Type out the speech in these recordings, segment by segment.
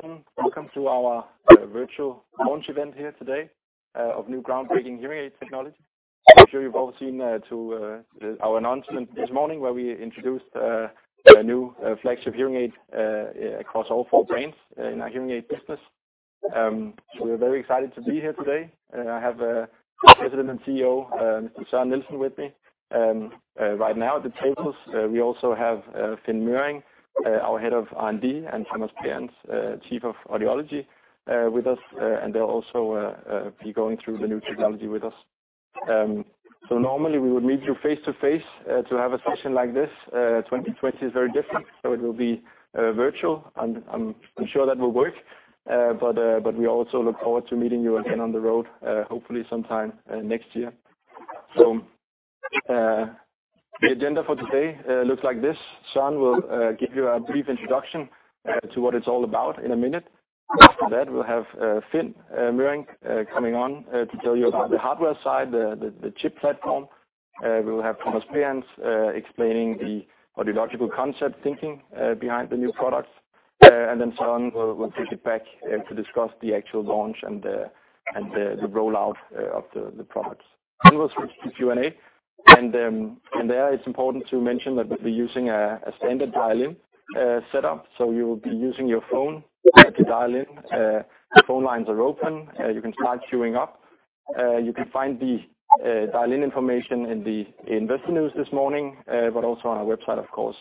Hello, everyone. Welcome to our virtual launch event here today of new groundbreaking hearing aid technology. I'm sure you've all seen our announcement this morning where we introduced a new flagship hearing aid across all four brands in our hearing aid business. We're very excited to be here today. I have President and CEO Mr. Søren Nielsen with me right now at the tables. We also have Finn Möhring, our Head of R&D, and Thomas Behrens, Chief of Audiology, with us, and they'll also be going through the new technology with us. So normally, we would meet you face to face to have a session like this. 2020 is very different, so it will be virtual. I'm sure that will work, but we also look forward to meeting you again on the road, hopefully sometime next year. So the agenda for today looks like this. Søren will give you a brief introduction to what it's all about in a minute. After that, we'll have Finn Möhring coming on to tell you about the hardware side, the chip platform. We will have Thomas Behrens explaining the audiological concept thinking behind the new products. And then Søren will take it back to discuss the actual launch and the rollout of the products. And there it's important to mention that we'll be using a standard dial-in setup, so you will be using your phone to dial in. The phone lines are open. You can start queuing up. You can find the dial-in information in the investor news this morning, but also on our website, of course.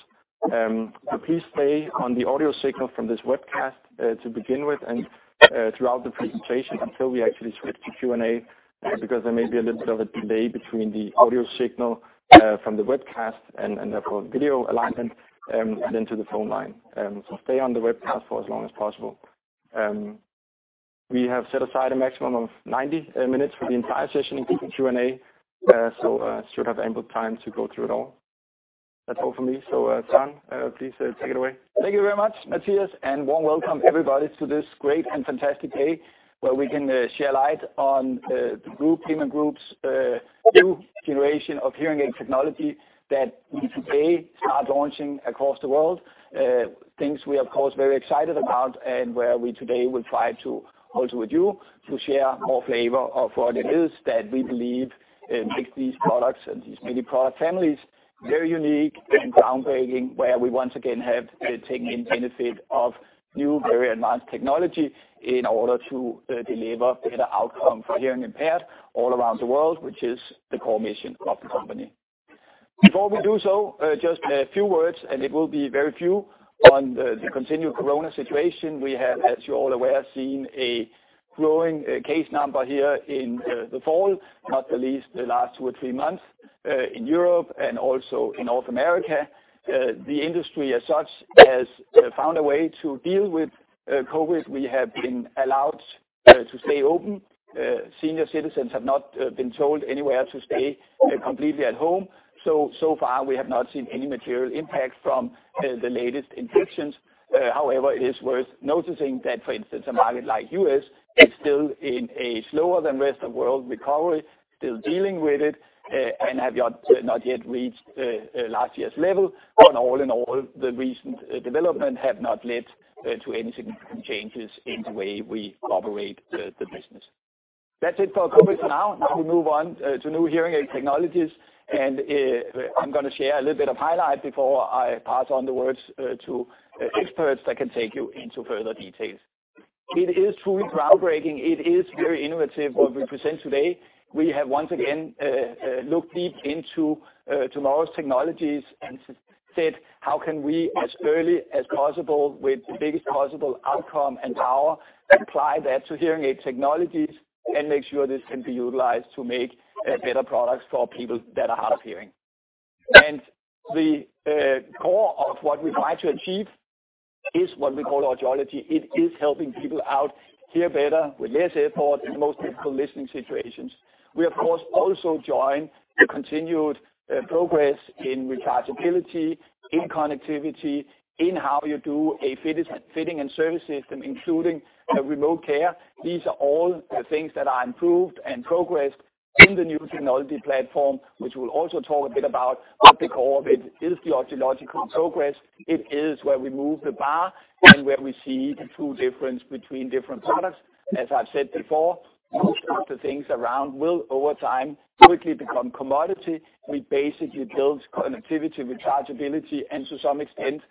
So please stay on the audio signal from this webcast to begin with and throughout the presentation until we actually switch to Q&A because there may be a little bit of a delay between the audio signal from the webcast and therefore video alignment into the phone line. So stay on the webcast for as long as possible. We have set aside a maximum of 90 minutes for the entire session including Q&A, so you should have ample time to go through it all. That's all for me. So Søren, please take it away. Thank you very much, Mathias, and warm welcome, everybody, to this great and fantastic day where we can shed light on the new product groups, new generation of hearing aid technology that we today start launching across the world, things we are, of course, very excited about and where we today will try to also with you to share more flavor of what it is that we believe makes these products and these many product families very unique and groundbreaking, where we once again have taken the benefit of new, very advanced technology in order to deliver better outcomes for hearing impaired all around the world, which is the core mission of the company. Before we do so, just a few words, and it will be very few, on the continued corona situation. We have, as you're all aware, seen a growing number of cases here in the fall, not least the last two or three months in Europe and also in North America. The industry as such has found a way to deal with COVID. We have been allowed to stay open. Senior citizens have not been told anywhere to stay completely at home. So far, we have not seen any material impact from the latest infections. However, it is worth noticing that, for instance, a market like the U.S. is still in a slower than the rest of the world recovery, still dealing with it, and have not yet reached last year's level. But all in all, the recent development has not led to any significant changes in the way we operate the business. That's it for COVID for now. Now we move on to new hearing aid technologies, and I'm going to share a little bit of highlight before I pass on the words to experts that can take you into further details. It is truly groundbreaking. It is very innovative, what we present today. We have once again looked deep into tomorrow's technologies and said, how can we, as early as possible, with the biggest possible outcome and power, apply that to hearing aid technologies and make sure this can be utilized to make better products for people that are hard of hearing. And the core of what we try to achieve is what we call audiology. It is helping people out, hear better with less effort, in the most difficult listening situations. We, of course, also join the continued progress in rechargeability, in connectivity, in how you do a fitting and service system, including remote care. These are all things that are improved and progressed in the new technology platform, which we'll also talk a bit about what they call it is the audiological progress. It is where we move the bar and where we see the true difference between different products. As I've said before, most of the things around will, over time, quickly become commodity. We basically build connectivity, rechargeability, and to some extent,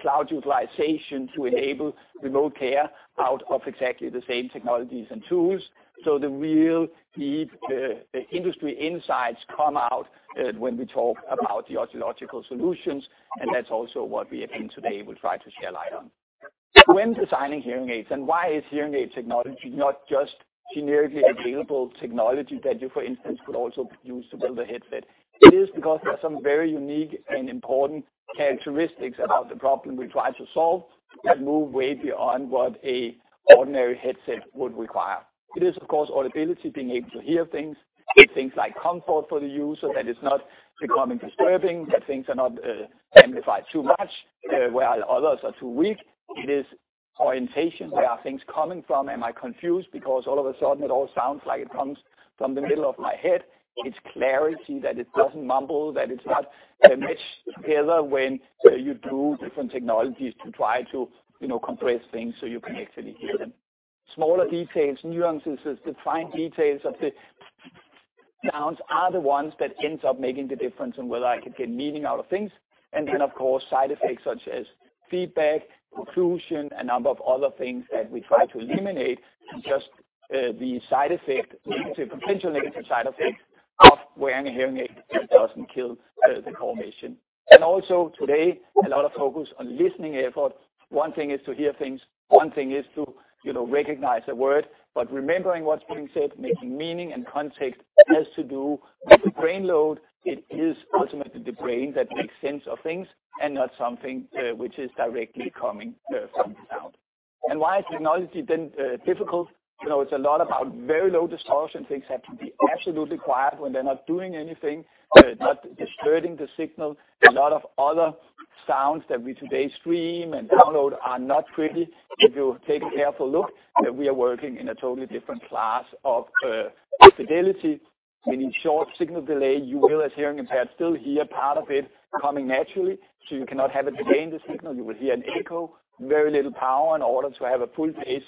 cloud utilization to enable remote care out of exactly the same technologies and tools. So the real industry insights come out when we talk about the audiological solutions, and that's also what we at Finn today will try to shed light on. When designing hearing aids, and why is hearing aid technology not just generically available technology that you, for instance, could also use to build a headset? It is because there are some very unique and important characteristics about the problem we try to solve that move way beyond what an ordinary headset would require. It is, of course, audibility, being able to hear things, things like comfort for the user, that it's not becoming disturbing, that things are not amplified too much while others are too weak. It is orientation, where are things coming from? Am I confused because all of a sudden it all sounds like it comes from the middle of my head? It's clarity that it doesn't mumble, that it's not meshed together when you do different technologies to try to compress things so you can actually hear them. Smaller details, nuances, the fine details of the sounds are the ones that end up making the difference in whether I could get meaning out of things. And then, of course, side effects such as feedback, occlusion, a number of other things that we try to eliminate, just the potential negative side effects of wearing a hearing aid doesn't kill the core mission. And also today, a lot of focus on listening effort. One thing is to hear things. One thing is to recognize a word, but remembering what's being said, making meaning and context has to do with the brain load. It is ultimately the brain that makes sense of things and not something which is directly coming from the sound. And why is technology then difficult? It's a lot about very low distortion. Things have to be absolutely quiet when they're not doing anything, not disturbing the signal. A lot of other sounds that we today stream and download are not pretty. If you take a careful look, we are working in a totally different class of fidelity. Any short signal delay, you will, as hearing impaired, still hear part of it coming naturally. So you cannot have a delay in the signal. You will hear an echo. Very little power in order to have a full-paced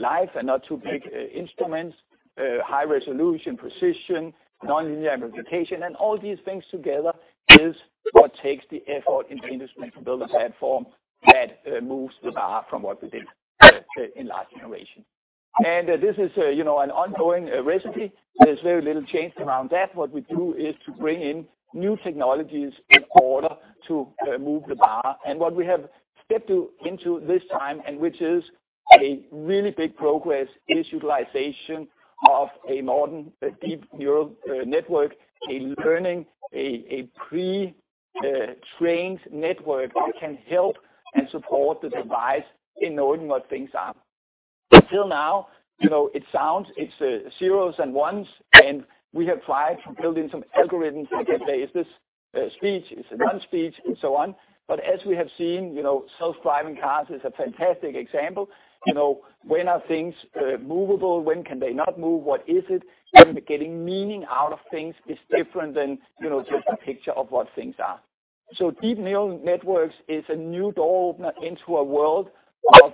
life and not too big instruments. High resolution, precision, non-linear amplification, and all these things together is what takes the effort in the industry to build a platform that moves the bar from what we did in last generation, and this is an ongoing recipe. There's very little change around that. What we do is to bring in new technologies in order to move the bar. And what we have stepped into this time, and which is a really big progress, is utilization of a modern deep neural network, a learning, a pre-trained network that can help and support the device in knowing what things are. Until now, it sounds it's zeros and ones, and we have tried to build in some algorithms to say, is this speech? Is it non-speech? And so on. But as we have seen, self-driving cars is a fantastic example. When are things movable? When can they not move? What is it? Getting meaning out of things is different than just a picture of what things are. Deep neural networks is a new door opener into a world of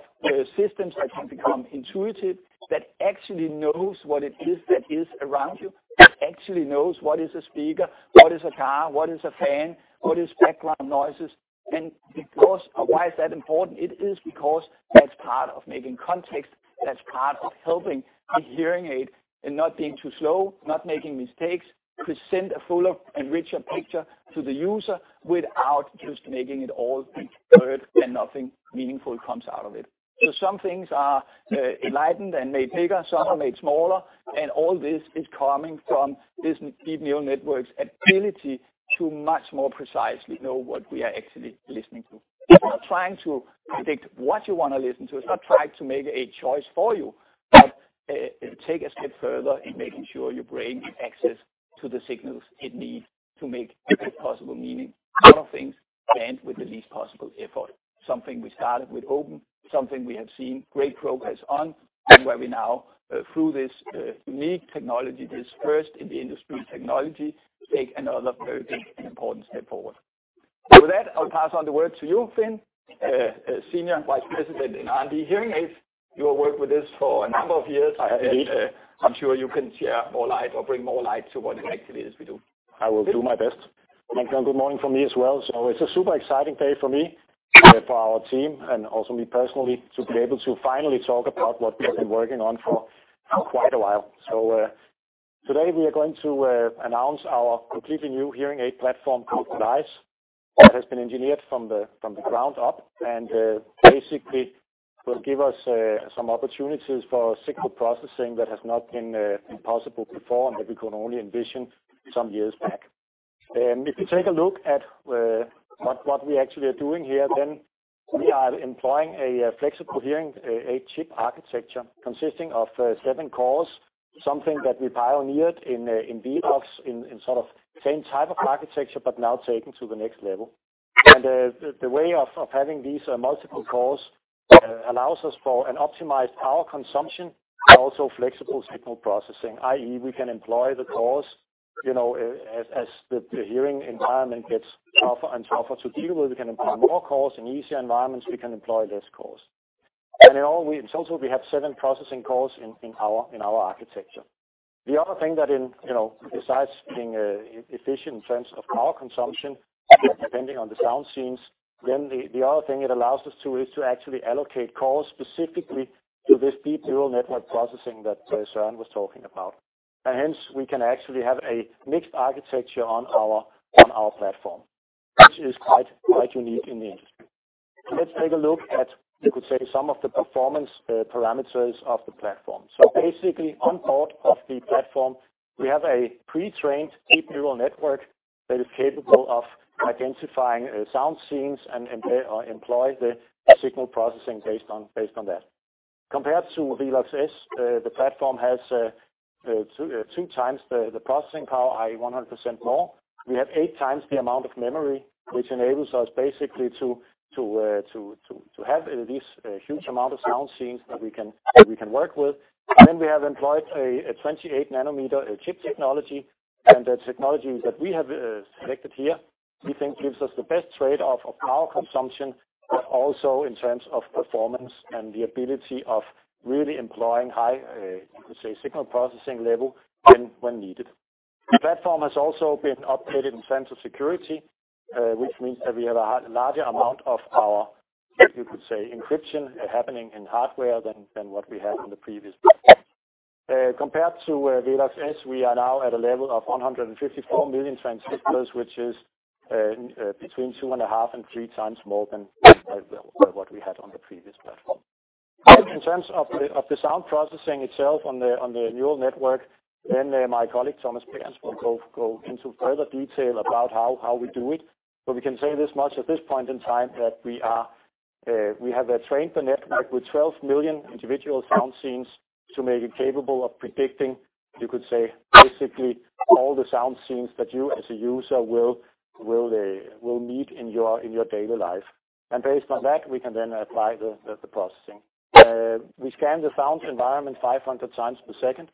systems that can become intuitive, that actually knows what it is that is around you, that actually knows what is a speaker, what is a car, what is a fan, what is background noises. And why is that important? It is because that's part of making context. That's part of helping the hearing aid in not being too slow, not making mistakes, present a fuller and richer picture to the user without just making it all be blurred and nothing meaningful comes out of it. Some things are enlightened and made bigger, some are made smaller, and all this is coming from these deep neural networks' ability to much more precisely know what we are actually listening to. It's not trying to predict what you want to listen to. It's not trying to make a choice for you, but take a step further in making sure your brain accesses the signals it needs to make the best possible meaning out of things and with the least possible effort. Something we started with Open, something we have seen great progress on, and where we now, through this unique technology, this first in the industry technology, take another very big and important step forward. With that, I'll pass on the word to you, Finn, Senior Vice President in R&D Hearing Aids. You have worked with us for a number of years. I'm sure you can share more light or bring more light to what it actually is we do. I will do my best. Thank you. And good morning from me as well. So it's a super exciting day for me, for our team, and also me personally to be able to finally talk about what we've been working on for quite a while. So today, we are going to announce our completely new hearing aid platform called Polaris, that has been engineered from the ground up and basically will give us some opportunities for signal processing that has not been possible before and that we could only envision some years back. If you take a look at what we actually are doing here, then we are employing a flexible hearing aid chip architecture consisting of seven cores, something that we pioneered in Velox, in sort of same type of architecture, but now taken to the next level. The way of having these multiple cores allows us for an optimized power consumption and also flexible signal processing, i.e., we can employ the cores as the hearing environment gets tougher and tougher to deal with. We can employ more cores in easier environments. We can employ less cores. And in total, we have seven processing cores in our architecture. The other thing that, besides being efficient in terms of power consumption, depending on the sound scenes, then the other thing it allows us to do is to actually allocate cores specifically to this deep neural network processing that Søren was talking about. And hence, we can actually have a mixed architecture on our platform, which is quite unique in the industry. Let's take a look at, you could say, some of the performance parameters of the platform. So basically, on board of the platform, we have a pre-trained deep neural network that is capable of identifying sound scenes and employ the signal processing based on that. Compared to Velox S, the platform has 2x the processing power, i.e., 100% more. We have 8x the amount of memory, which enables us basically to have these huge amount of sound scenes that we can work with. And then we have employed a 28-nanometer chip technology, and the technology that we have selected here, we think, gives us the best trade-off of power consumption, but also in terms of performance and the ability of really employing high, you could say, signal processing level when needed. The platform has also been updated in terms of security, which means that we have a larger amount of our, you could say, encryption happening in hardware than what we had on the previous platform. Compared to Velox S, we are now at a level of 154 million transistors, which is between 2.5x and 3x more than what we had on the previous platform. In terms of the sound processing itself on the neural network, then my colleague Thomas Behrens will go into further detail about how we do it, but we can say this much at this point in time that we have trained the network with 12 million individual sound scenes to make it capable of predicting, you could say, basically all the sound scenes that you, as a user, will meet in your daily life. Based on that, we can then apply the processing. We scan the sound environment 500x per second,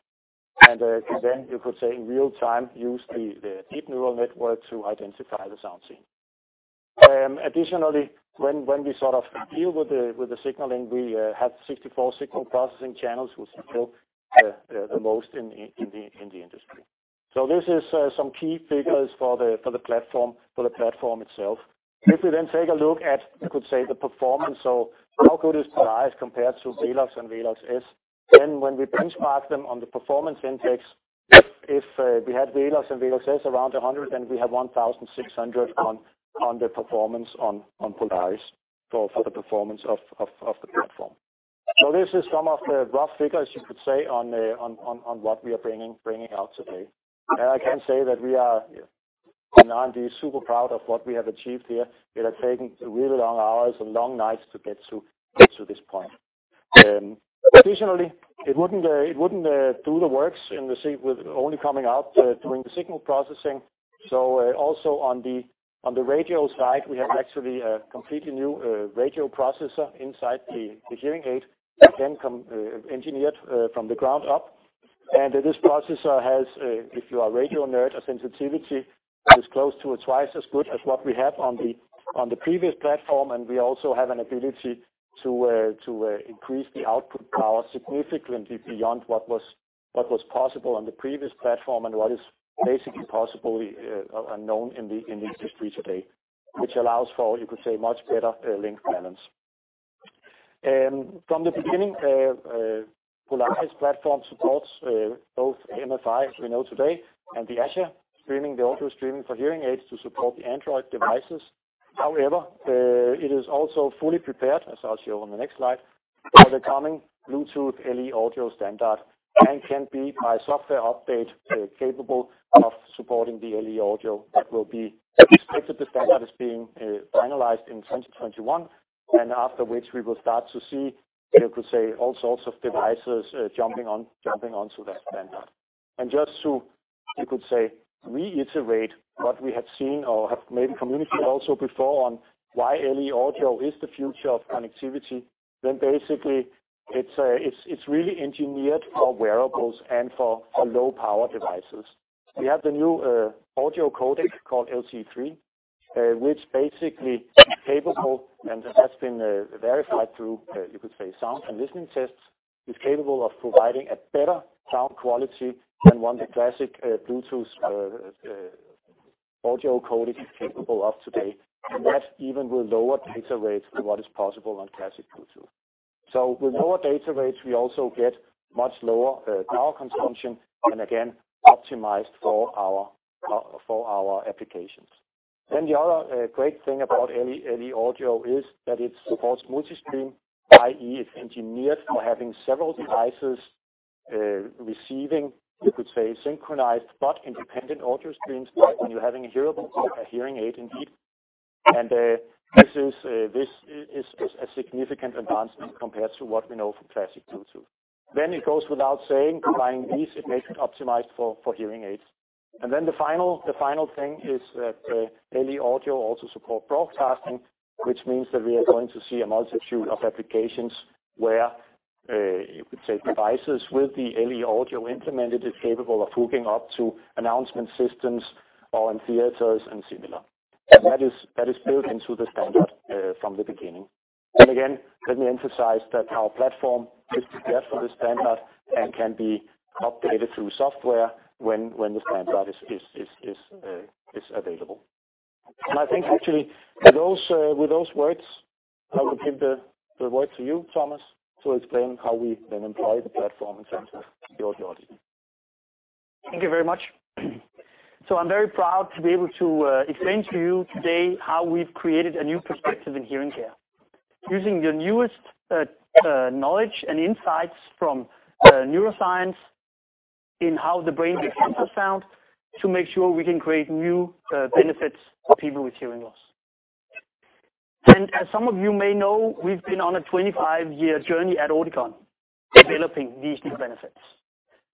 and then you could say, in real time, use the deep neural network to identify the sound scene. Additionally, when we sort of deal with the signaling, we have 64 signal processing channels, which is still the most in the industry. This is some key figures for the platform itself. If we then take a look at, you could say, the performance, so how good is Polaris compared to Velox and Velox S? When we benchmark them on the performance index, if we had Velox and Velox S around 100, then we have 1,600 on the performance on Polaris for the performance of the platform. This is some of the rough figures, you could say, on what we are bringing out today. I can say that we in R&D are super proud of what we have achieved here. It has taken really long hours and long nights to get to this point. Additionally, it wouldn't do the job with only improvements in the signal processing. Also on the radio side, we have actually a completely new radio processor inside the hearing aid that is engineered from the ground up. This processor has, if you are a radio nerd, a sensitivity that is close to twice as good as what we have on the previous platform. We also have an ability to increase the output power significantly beyond what was possible on the previous platform and what is basically possible and known in the industry today, which allows for, you could say, much better link balance. From the beginning, Polaris platform supports both MFi, as we know today, and the ASHA streaming, the audio streaming for hearing aids to support the Android devices. However, it is also fully prepared, as I'll show on the next slide, for the coming Bluetooth LE Audio standard and can be, by software update, capable of supporting the LE Audio that will be expected. The standard is being finalized in 2021, and after which we will start to see, you could say, all sorts of devices jumping onto that standard. And just to, you could say, reiterate what we had seen or have made communicate also before on why LE Audio is the future of connectivity, then basically, it's really engineered for wearables and for low-power devices. We have the new audio codec called LC3, which basically is capable, and it has been verified through, you could say, sound and listening tests, is capable of providing a better sound quality than what the classic Bluetooth audio codec is capable of today. And that even with lower data rates, what is possible on classic Bluetooth. So with lower data rates, we also get much lower power consumption and, again, optimized for our applications. Then the other great thing about LE Audio is that it supports multi-stream, i.e., it's engineered for having several devices receiving, you could say, synchronized but independent audio streams when you're having a hearing aid indeed. And this is a significant advancement compared to what we know from classic Bluetooth. Then it goes without saying, buying these, it makes it optimized for hearing aids. And then the final thing is that LE Audio also supports broadcasting, which means that we are going to see a multitude of applications where, you could say, devices with the LE Audio implemented is capable of hooking up to announcement systems or in theaters and similar. And that is built into the standard from the beginning. And again, let me emphasize that our platform is prepared for the standard and can be updated through software when the standard is available. And I think, actually, with those words, I will give the word to you, Thomas, to explain how we then employ the platform in terms of the audio. Thank you very much. So I'm very proud to be able to explain to you today how we've created a new perspective in hearing care, using the newest knowledge and insights from neuroscience in how the brain gets into sound to make sure we can create new benefits for people with hearing loss. And as some of you may know, we've been on a 25-year journey at Oticon developing these new benefits.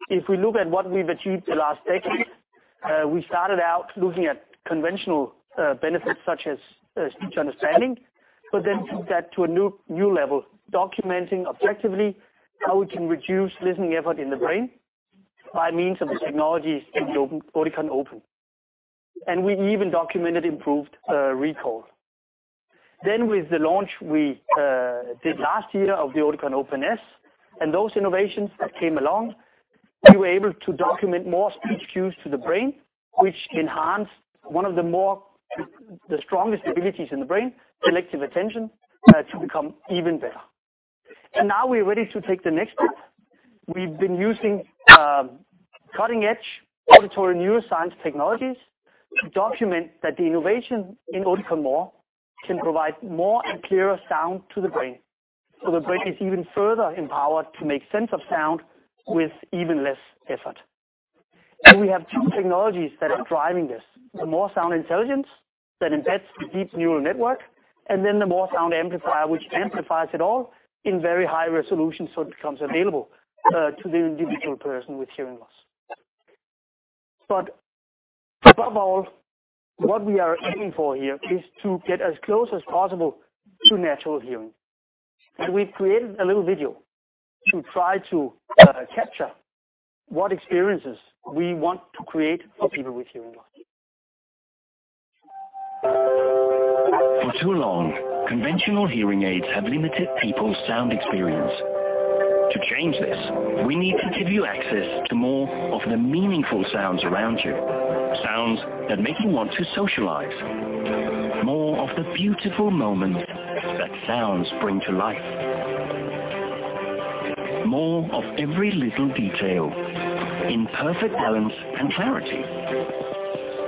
If we look at what we've achieved the last decade, we started out looking at conventional benefits such as speech understanding, but then took that to a new level, documenting objectively how we can reduce listening effort in the brain by means of the technologies in the Oticon Opn. And we even documented improved recall. Then with the launch we did last year of the Oticon Opn S and those innovations that came along, we were able to document more speech cues to the brain, which enhanced one of the strongest abilities in the brain, selective attention, to become even better. And now we're ready to take the next step. We've been using cutting-edge auditory neuroscience technologies to document that the innovation in Oticon More can provide more and clearer sound to the brain. So the brain is even further empowered to make sense of sound with even less effort. And we have two technologies that are driving this: the MoreSound Intelligence that embeds the Deep Neural Network, and then the MoreSound Amplifier, which amplifies it all in very high resolution so it becomes available to the individual person with hearing loss. But above all, what we are aiming for here is to get as close as possible to natural hearing. And we've created a little video to try to capture what experiences we want to create for people with hearing loss. For too long, conventional hearing aids have limited people's sound experience. To change this, we need to give you access to more of the meaningful sounds around you, sounds that make you want to socialize, more of the beautiful moments that sounds bring to life, more of every little detail in perfect balance and clarity,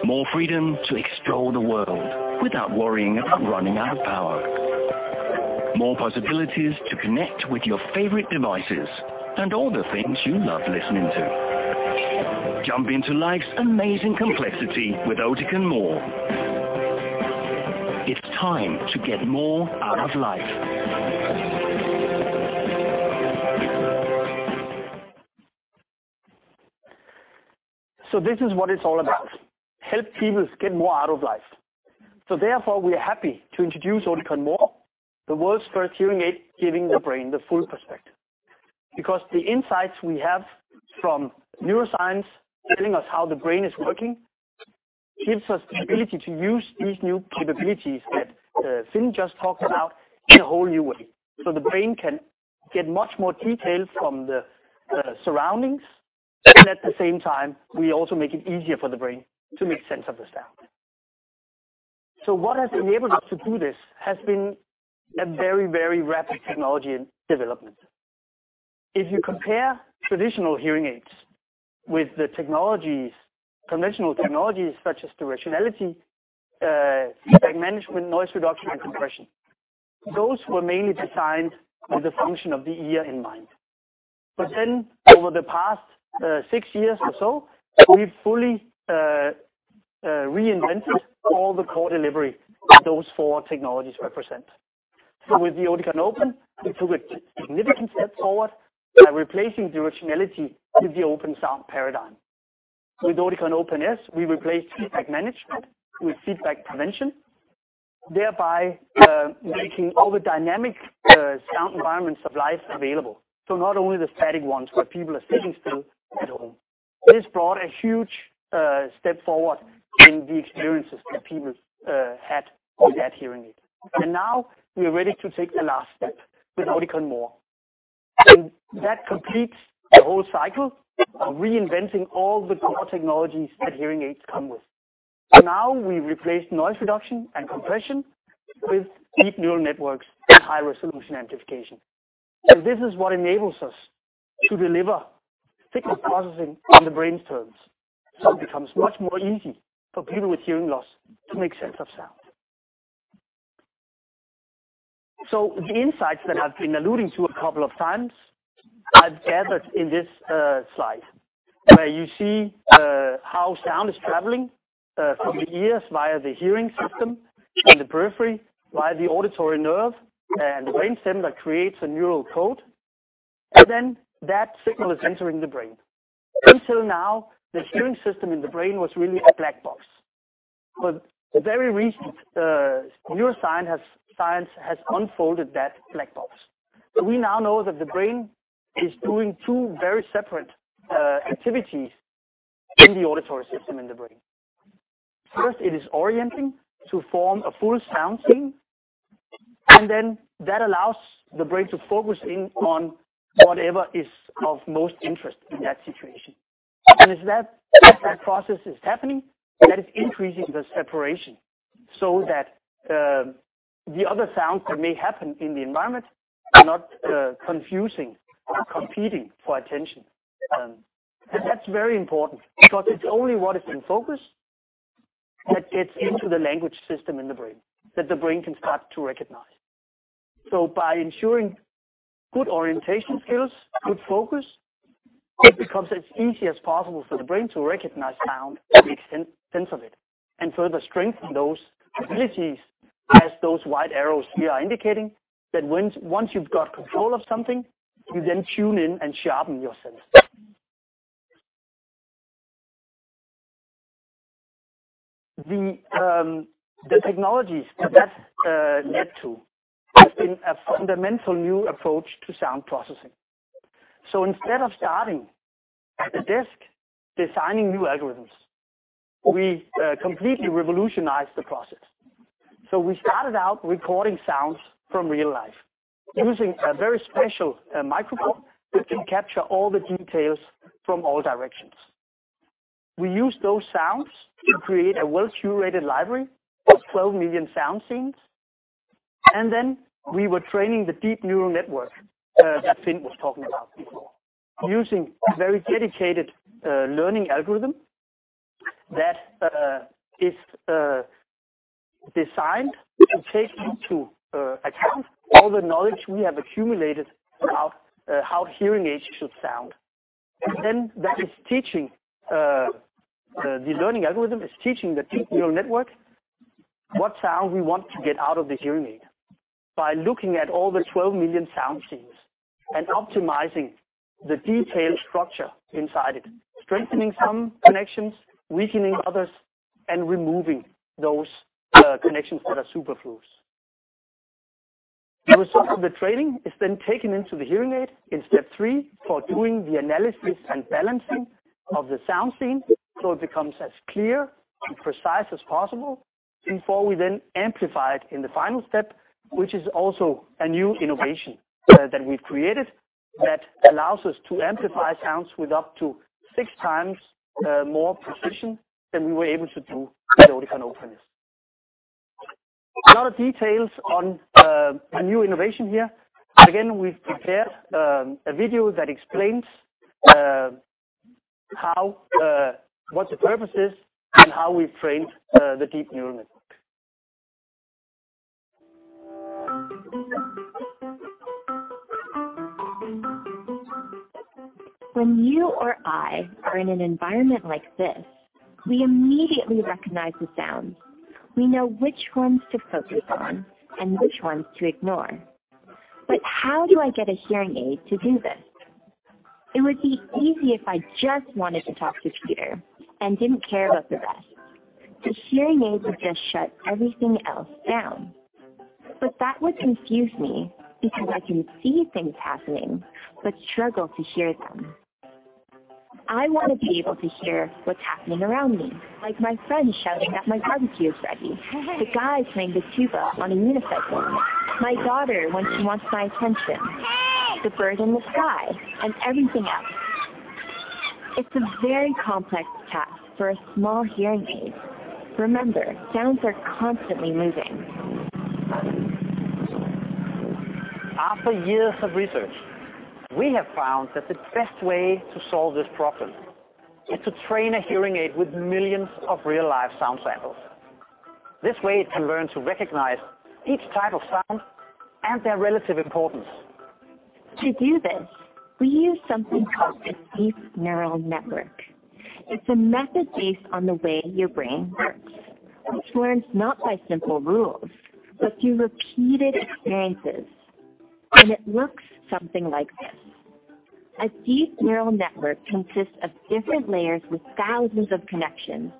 more freedom to explore the world without worrying about running out of power, more possibilities to connect with your favorite devices and all the things you love listening to. Jump into life's amazing complexity with Oticon More. It's time to get more out of life. This is what it's all about: help people get more out of life. Therefore, we are happy to introduce Oticon More, the world's first hearing aid giving the brain the full perspective. Because the insights we have from neuroscience telling us how the brain is working gives us the ability to use these new capabilities that Finn just talked about in a whole new way. The brain can get much more detail from the surroundings, and at the same time, we also make it easier for the brain to make sense of the sound. What has enabled us to do this has been a very, very rapid technology development. If you compare traditional hearing aids with the conventional technologies such as directionality, feedback management, noise reduction, and compression, those were mainly designed with the function of the ear in mind. But then, over the past six years or so, we've fully reinvented all the core delivery that those four technologies represent. So with the Oticon Opn, we took a significant step forward by replacing directionality with the OpenSound paradigm. With Oticon Opn S, we replaced feedback management with feedback prevention, thereby making all the dynamic sound environments of life available, so not only the static ones where people are sitting still at home. This brought a huge step forward in the experiences that people had with that hearing aid. And now we are ready to take the last step with Oticon More. And that completes the whole cycle of reinventing all the core technologies that hearing aids come with. So now we replaced noise reduction and compression with Deep Neural Networks and high-resolution amplification. And this is what enables us to deliver signal processing on the brain's terms. So it becomes much more easy for people with hearing loss to make sense of sound. So the insights that I've been alluding to a couple of times, I've gathered in this slide, where you see how sound is traveling from the ears via the hearing system in the periphery, via the auditory nerve and the brain stem that creates a neural code, and then that signal is entering the brain. Until now, the hearing system in the brain was really a black box. But very recent neuroscience has unfolded that black box. So we now know that the brain is doing two very separate activities in the auditory system in the brain. First, it is orienting to form a full sound scene, and then that allows the brain to focus in on whatever is of most interest in that situation. As that process is happening, that is increasing the separation so that the other sounds that may happen in the environment are not confusing or competing for attention. And that's very important because it's only what is in focus that gets into the language system in the brain that the brain can start to recognize. So by ensuring good orientation skills, good focus, it becomes as easy as possible for the brain to recognize sound and make sense of it and further strengthen those abilities as those white arrows here are indicating that once you've got control of something, you then tune in and sharpen your senses. The technologies that that's led to have been a fundamental new approach to sound processing. So instead of starting at the desk designing new algorithms, we completely revolutionized the process. We started out recording sounds from real life using a very special microphone that can capture all the details from all directions. We used those sounds to create a well-curated library of 12 million sound scenes. We were training the Deep Neural Network that Finn was talking about before, using a very dedicated learning algorithm that is designed to take into account all the knowledge we have accumulated about how hearing aids should sound. The learning algorithm is teaching the Deep Neural Network what sound we want to get out of the hearing aid by looking at all the 12 million sound scenes and optimizing the detailed structure inside it, strengthening some connections, weakening others, and removing those connections that are superfluous. The result of the training is then taken into the hearing aid in step three for doing the analysis and balancing of the sound scene so it becomes as clear and precise as possible before we then amplify it in the final step, which is also a new innovation that we've created that allows us to amplify sounds with up to 6x more precision than we were able to do with the Oticon Opn. A lot of details on a new innovation here. But again, we've prepared a video that explains what the purpose is and how we've trained the deep neural network. When you or I are in an environment like this, we immediately recognize the sounds. We know which ones to focus on and which ones to ignore. But how do I get a hearing aid to do this? It would be easy if I just wanted to talk to Peter and didn't care about the rest. The hearing aids would just shut everything else down. But that would confuse me because I can see things happening but struggle to hear them. I want to be able to hear what's happening around me, like my friend shouting that my barbecue is ready, the guy playing the tuba on a unicycle, my daughter when she wants my attention, the bird in the sky, and everything else. It's a very complex task for a small hearing aid. Remember, sounds are constantly moving. After years of research, we have found that the best way to solve this problem is to train a hearing aid with millions of real-life sound samples. This way, it can learn to recognize each type of sound and their relative importance. To do this, we use something called the deep neural network. It's a method based on the way your brain works, which learns not by simple rules but through repeated experiences. And it looks something like this. A deep neural network consists of different layers with thousands of connections.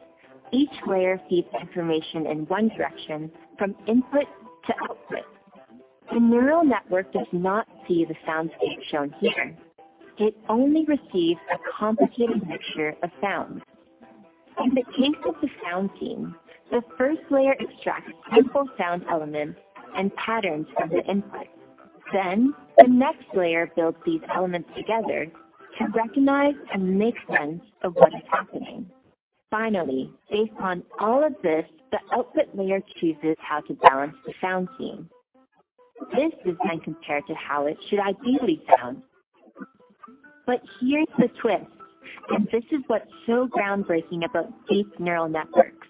Each layer feeds information in one direction from input to output. The neural network does not see the soundscape shown here. It only receives a complicated mixture of sounds. In the case of the sound scene, the first layer extracts simple sound elements and patterns from the input. Then the next layer builds these elements together to recognize and make sense of what is happening. Finally, based on all of this, the output layer chooses how to balance the sound scene. This is then compared to how it should ideally sound. But here's the twist, and this is what's so groundbreaking about deep neural networks.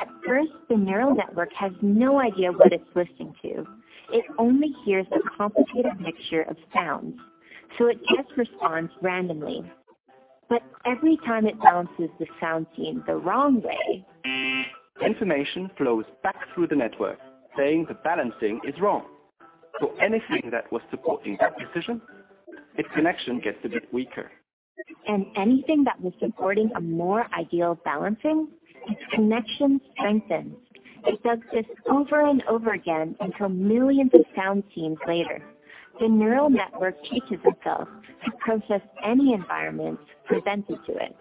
At first, the neural network has no idea what it's listening to. It only hears a complicated mixture of sounds, so it just responds randomly. But every time it balances the sound scene the wrong way. Information flows back through the network, saying the balancing is wrong. So anything that was supporting that decision, its connection gets a bit weaker. and anything that was supporting a more ideal balancing, its connection strengthens. It does this over and over again until millions of sound scenes later. The neural network teaches itself to process any environment presented to it.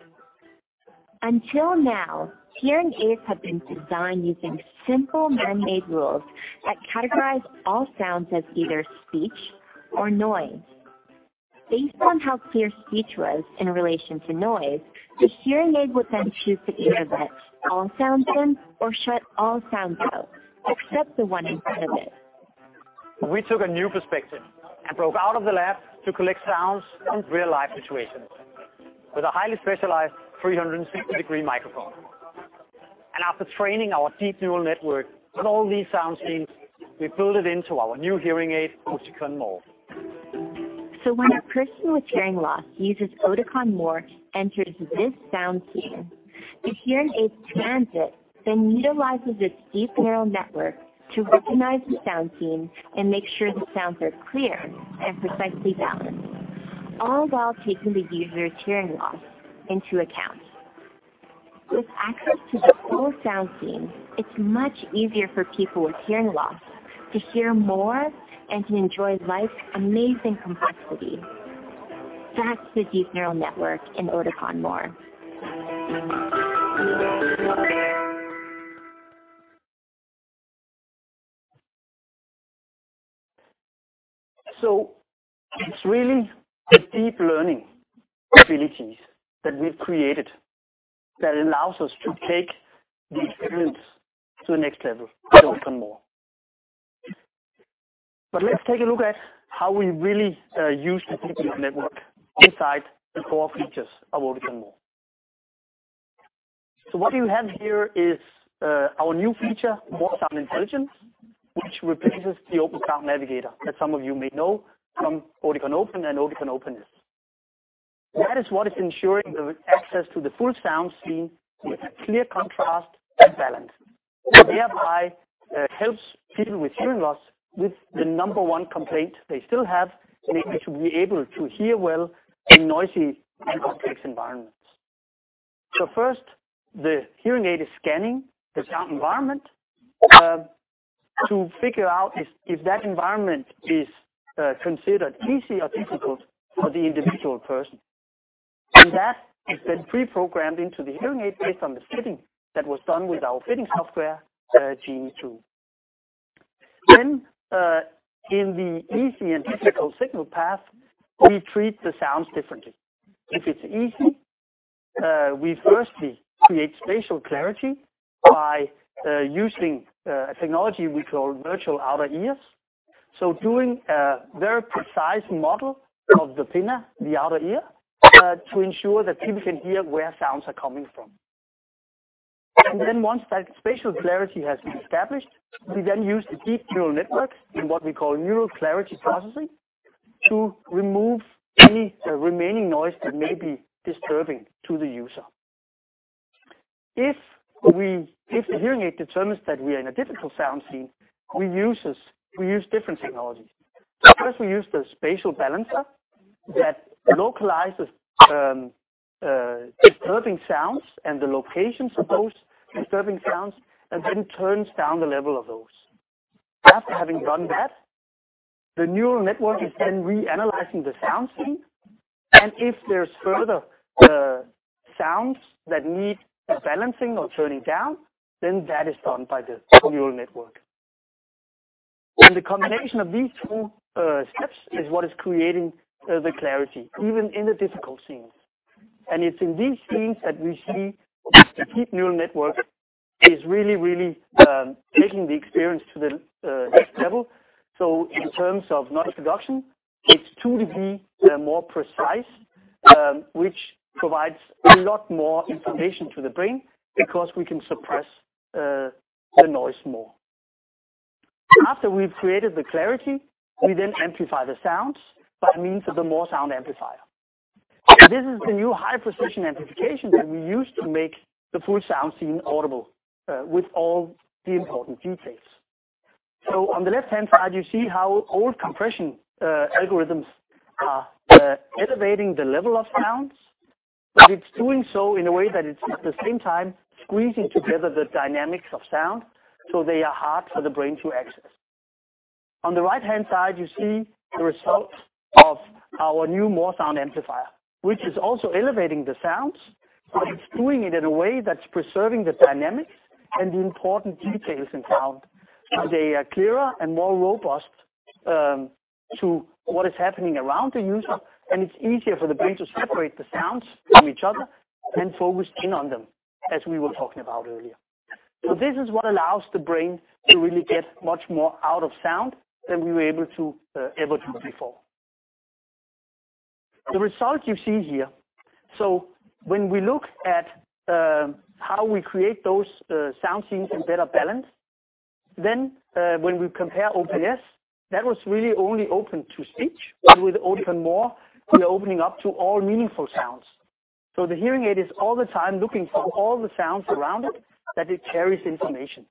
Until now, hearing aids have been designed using simple man-made rules that categorize all sounds as either speech or noise. Based on how clear speech was in relation to noise, the hearing aid would then choose to interject all sounds in or shut all sounds out, except the one in front of it. We took a new perspective and broke out of the lab to collect sounds from real-life situations with a highly specialized 360-degree microphone, and after training our deep neural network with all these sound scenes, we built it into our new hearing aid, Oticon More. So when a person with hearing loss uses Oticon More to enter this sound scene, the hearing aid then utilizes its deep neural network to recognize the sound scene and make sure the sounds are clear and precisely balanced, all while taking the user's hearing loss into account. With access to the full sound scene, it's much easier for people with hearing loss to hear more and to enjoy life's amazing complexity. That's the deep neural network in Oticon More. It's really the deep learning abilities that we've created that allows us to take the experience to the next level with Oticon More. But let's take a look at how we really use the deep neural network inside the four features of Oticon More. What you have here is our new feature, MoreSound Intelligence, which replaces the OpenSound Navigator that some of you may know from Oticon Opn and Oticon Opn S. That is what is ensuring the access to the full sound scene with clear contrast and balance. Thereby, it helps people with hearing loss with the number one complaint they still have, namely to be able to hear well in noisy and complex environments. First, the hearing aid is scanning the sound environment to figure out if that environment is considered easy or difficult for the individual person. And that is then pre-programmed into the hearing aid based on the fitting that was done with our fitting software, Genie 2. Then, in the easy and difficult signal path, we treat the sounds differently. If it's easy, we firstly create spatial clarity by using a technology we call Virtual Outer Ear. So doing a very precise model of the pinna, the outer ear, to ensure that people can hear where sounds are coming from. And then once that spatial clarity has been established, we then use the deep neural networks in what we call Neural Clarity Processing to remove any remaining noise that may be disturbing to the user. If the hearing aid determines that we are in a difficult sound scene, we use different technologies. First, we use the Spatial Balancer that localizes disturbing sounds and the locations of those disturbing sounds and then turns down the level of those. After having done that, the neural network is then reanalyzing the sound scene. And if there's further sounds that need balancing or turning down, then that is done by the neural network. And the combination of these two steps is what is creating the clarity, even in the difficult scenes. And it's in these scenes that we see the Deep Neural Network is really, really taking the experience to the next level. So in terms of noise reduction, it's 2 dB more precise, which provides a lot more information to the brain because we can suppress the noise more. After we've created the clarity, we then amplify the sounds by means of the MoreSound Amplifier. And this is the new high-precision amplification that we use to make the full sound scene audible with all the important details. So on the left-hand side, you see how all compression algorithms are elevating the level of sounds. But it's doing so in a way that it's at the same time squeezing together the dynamics of sound so they are hard for the brain to access. On the right-hand side, you see the result of our new MoreSound Amplifier, which is also elevating the sounds, but it's doing it in a way that's preserving the dynamics and the important details in sound. They are clearer and more robust to what is happening around the user. And it's easier for the brain to separate the sounds from each other and focus in on them, as we were talking about earlier. This is what allows the brain to really get much more out of sound than we were able to ever do before. The result you see here. When we look at how we create those sound scenes in better balance, then when we compare Opn S, that was really only open to speech. But with Oticon More, we are opening up to all meaningful sounds. So the hearing aid is all the time looking for all the sounds around it that it carries information.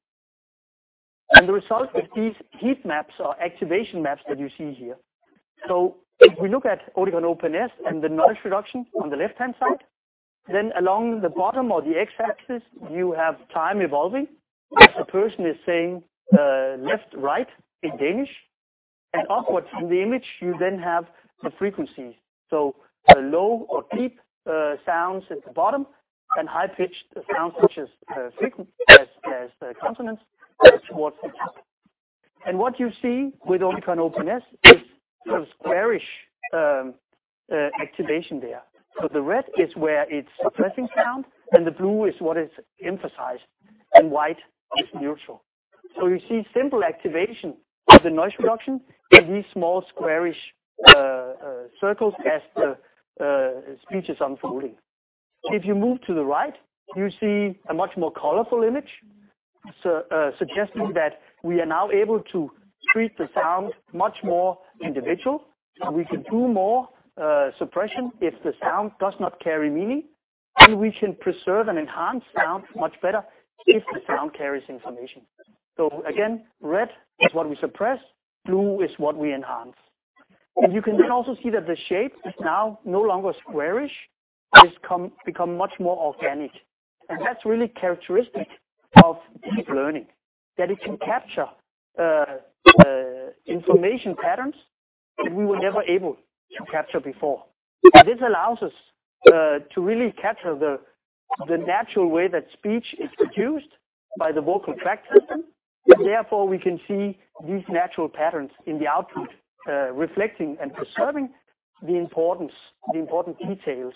And the result is these heat maps or activation maps that you see here. So if we look at Oticon Opn S and the noise reduction on the left-hand side, then along the bottom or the X-axis, you have time evolving as the person is saying left, right in Danish. And upwards from the image, you then have the frequencies. Low or deep sounds at the bottom and high-pitched sounds, which is frequent as consonants, towards the top. And what you see with Oticon Opn S is sort of squarish activation there. So the red is where it's suppressing sound, and the blue is what is emphasized, and white is neutral. So you see simple activation of the noise reduction in these small squarish circles as the speech is unfolding. If you move to the right, you see a much more colorful image, suggesting that we are now able to treat the sound much more individual. We can do more suppression if the sound does not carry meaning, and we can preserve and enhance sound much better if the sound carries information. So again, red is what we suppress. Blue is what we enhance. And you can then also see that the shape is now no longer squarish. It's become much more organic, and that's really characteristic of deep learning, that it can capture information patterns that we were never able to capture before. This allows us to really capture the natural way that speech is produced by the vocal tract system, and therefore, we can see these natural patterns in the output, reflecting and preserving the important details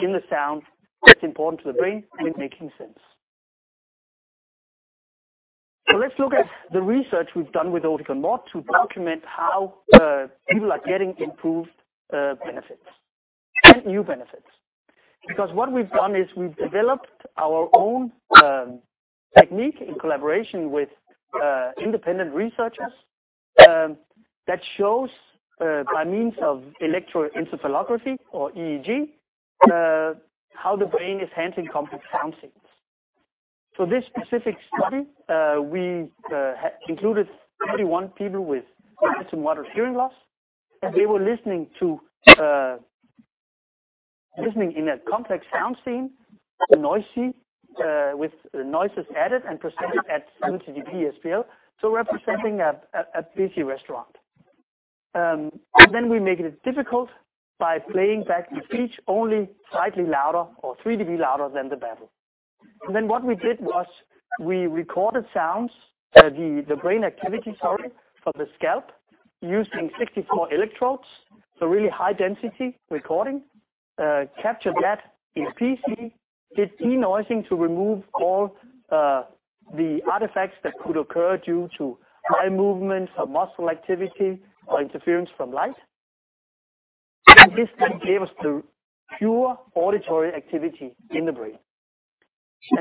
in the sound that's important to the brain in making sense, so let's look at the research we've done with Oticon More to document how people are getting improved benefits and new benefits. Because what we've done is we've developed our own technique in collaboration with independent researchers that shows, by means of electroencephalography or EEG, how the brain is handling complex sound scenes, so this specific study, we included 31 people with deep and moderate hearing loss. They were listening in a complex sound scene, noisy, with noises added and presented at 70 dB SPL, so representing a busy restaurant. Then we made it difficult by playing back the speech only slightly louder or 3 dB louder than the babble. What we did was we recorded the brain activity, sorry, from the scalp, using 64 electrodes, so really high-density recording, captured that EEG, did denoising to remove all the artifacts that could occur due to eye movement or muscle activity or interference from light. This then gave us the pure auditory activity in the brain.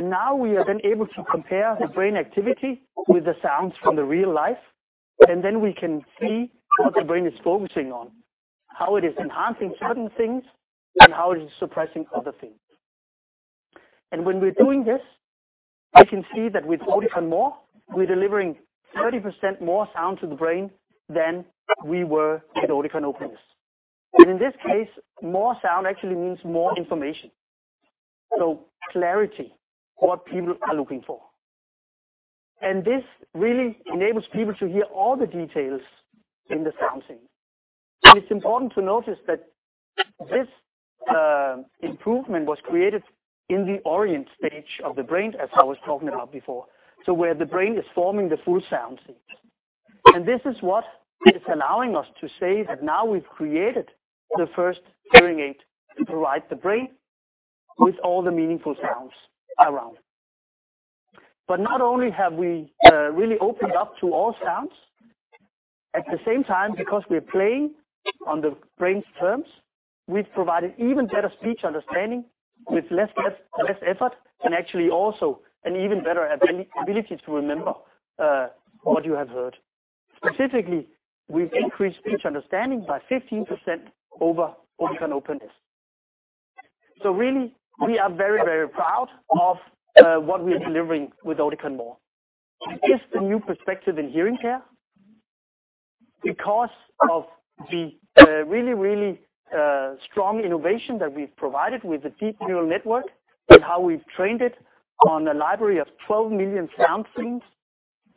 Now we are then able to compare the brain activity with the sounds from real life. Then we can see what the brain is focusing on, how it is enhancing certain things, and how it is suppressing other things. When we're doing this, we can see that with Oticon More, we're delivering 30% more sound to the brain than we were with Oticon Opn. In this case, more sound actually means more information. Clarity, what people are looking for. This really enables people to hear all the details in the sound scene. It's important to notice that this improvement was created in the orientation stage of the brain, as I was talking about before, so where the brain is forming the full sound scene. This is what is allowing us to say that now we've created the first hearing aid to provide the brain with all the meaningful sounds around. But not only have we really opened up to all sounds, at the same time, because we're playing on the brain's terms, we've provided even better speech understanding with less effort and actually also an even better ability to remember what you have heard. Specifically, we've increased speech understanding by 15% over Oticon Opn. So really, we are very, very proud of what we're delivering with Oticon More. This is a new perspective in hearing care because of the really, really strong innovation that we've provided with the deep neural network and how we've trained it on a library of 12 million sound scenes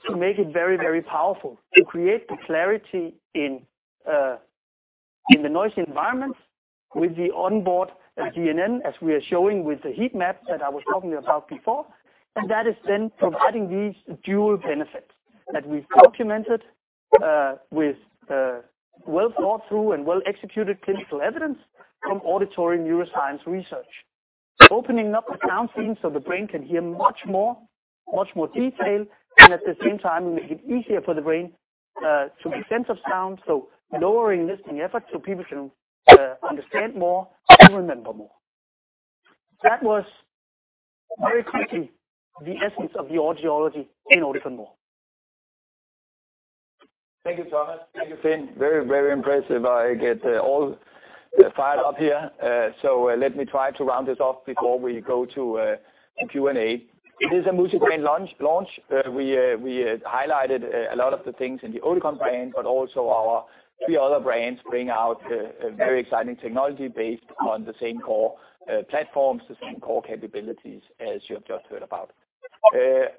to make it very, very powerful, to create the clarity in the noisy environments with the onboard DNN, as we are showing with the heat map that I was talking about before. And that is then providing these dual benefits that we've documented with well-thought-through and well-executed clinical evidence from auditory neuroscience research, opening up the sound scenes so the brain can hear much more, much more detail, and at the same time, make it easier for the brain to make sense of sound, so lowering listening effort so people can understand more and remember more. That was very quickly the essence of the audiology in Oticon More. Thank you, Thomas. Thank you, Finn. Very, very impressive. I get all fired up here. So let me try to round this off before we go to the Q&A. It is a multi-brand launch. We highlighted a lot of the things in the Oticon brand, but also our three other brands bring out very exciting technology based on the same core platforms, the same core capabilities as you have just heard about.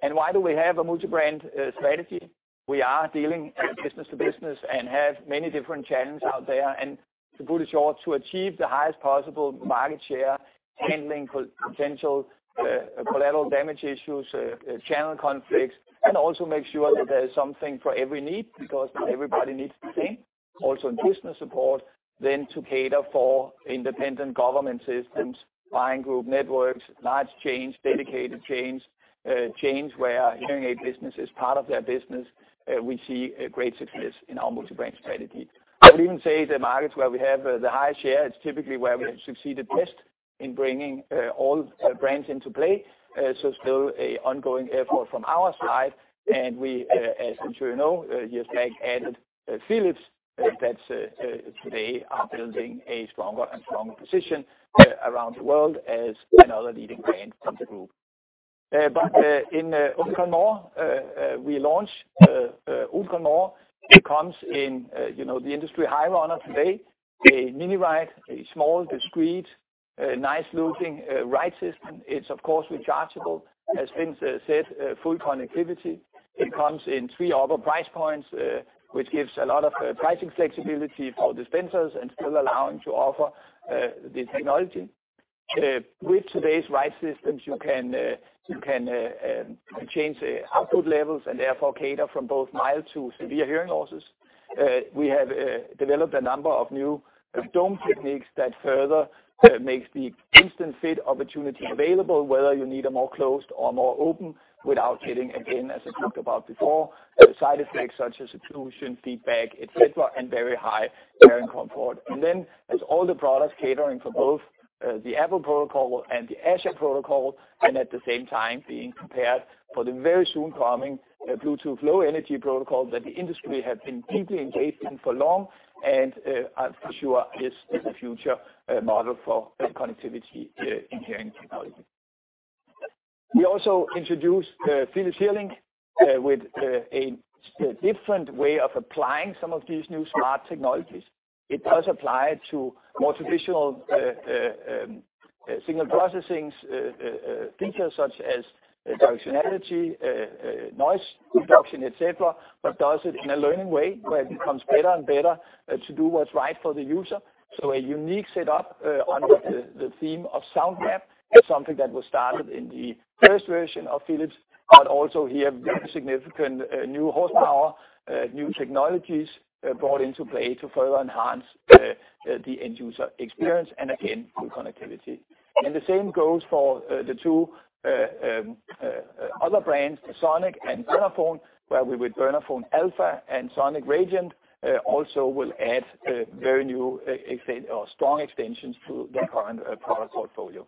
And why do we have a multi-brand strategy? We are dealing business to business and have many different channels out there. And to put it short, to achieve the highest possible market share, handling potential collateral damage issues, channel conflicts, and also make sure that there is something for every need because not everybody needs the same. Also in business support, then to cater for independent government systems, buying group networks, large chains, dedicated chains, chains where hearing aid business is part of their business, we see great success in our multi-brand strategy. I would even say the markets where we have the highest share is typically where we have succeeded best in bringing all brands into play. So still an ongoing effort from our side. And we, as you know, years back, added Philips that today are building a stronger and stronger position around the world as another leading brand in the group. But in Oticon More, we launched Oticon More. It comes in the industry high runner today, a miniRITE, a small, discreet, nice-looking RITE system. It's, of course, rechargeable, as Finn said, full connectivity. It comes in three other price points, which gives a lot of pricing flexibility for dispensers and still allowing to offer the technology. With today's RITE systems, you can change output levels and therefore cater from both mild to severe hearing losses. We have developed a number of new dome techniques that further make the instant fit opportunity available, whether you need a more closed or more open without getting, again, as I talked about before, side effects such as occlusion, feedback, etc., and very high wearing comfort. And then there's all the products catering for both the Apple protocol and the ASHA protocol, and at the same time, being prepared for the very soon coming Bluetooth Low Energy protocol that the industry has been deeply engaged in for long. And I'm sure this is a future model for connectivity in hearing technology. We also introduced Philips HearLink with a different way of applying some of these new smart technologies. It does apply to more traditional signal processing features such as directionality, noise reduction, etc., but does it in a learning way where it becomes better and better to do what's right for the user. So a unique setup under the theme of SoundMap is something that was started in the first version of Philips, but also here significant new horsepower, new technologies brought into play to further enhance the end-user experience and, again, through connectivity. And the same goes for the two other brands, Sonic and Bernafon, where we with Bernafon Alpha and Sonic Radiant also will add very new or strong extensions to their current product portfolio.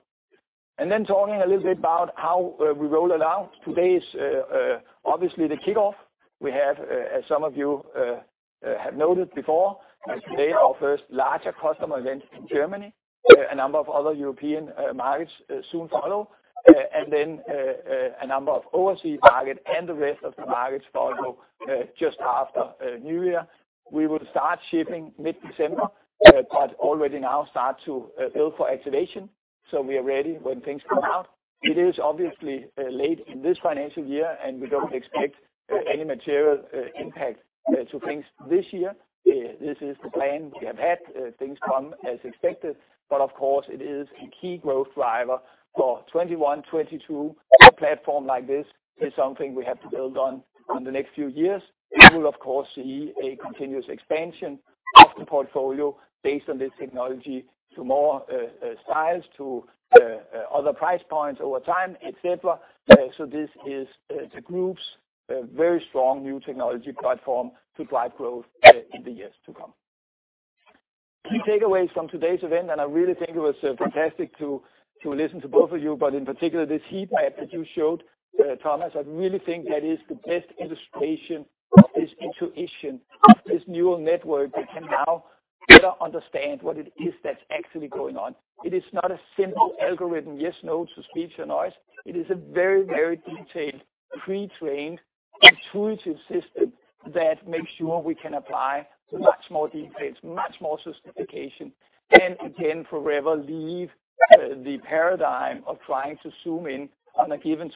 And then talking a little bit about how we roll it out, today is obviously the kickoff. We have, as some of you have noted before, today our first larger customer event in Germany. A number of other European markets soon follow, and then a number of overseas markets and the rest of the markets follow just after New Year. We will start shipping mid-December, but already now start to build for activation. So we are ready when things come out. It is obviously late in this financial year, and we don't expect any material impact to things this year. This is the plan we have had. Things come as expected, but of course, it is a key growth driver for 2021, 2022. A platform like this is something we have to build on in the next few years. We will, of course, see a continuous expansion of the portfolio based on this technology to more styles, to other price points over time, etc. This is the group's very strong new technology platform to drive growth in the years to come. Key takeaways from today's event, and I really think it was fantastic to listen to both of you, but in particular, this heat map that you showed, Thomas. I really think that is the best illustration of this intuition of this neural network that can now better understand what it is that's actually going on. It is not a simple algorithm, yes, no, to speech or noise. It is a very, very detailed, pre-trained intuitive system that makes sure we can apply much more details, much more sophistication, and again, forever leave the paradigm of trying to zoom in on a given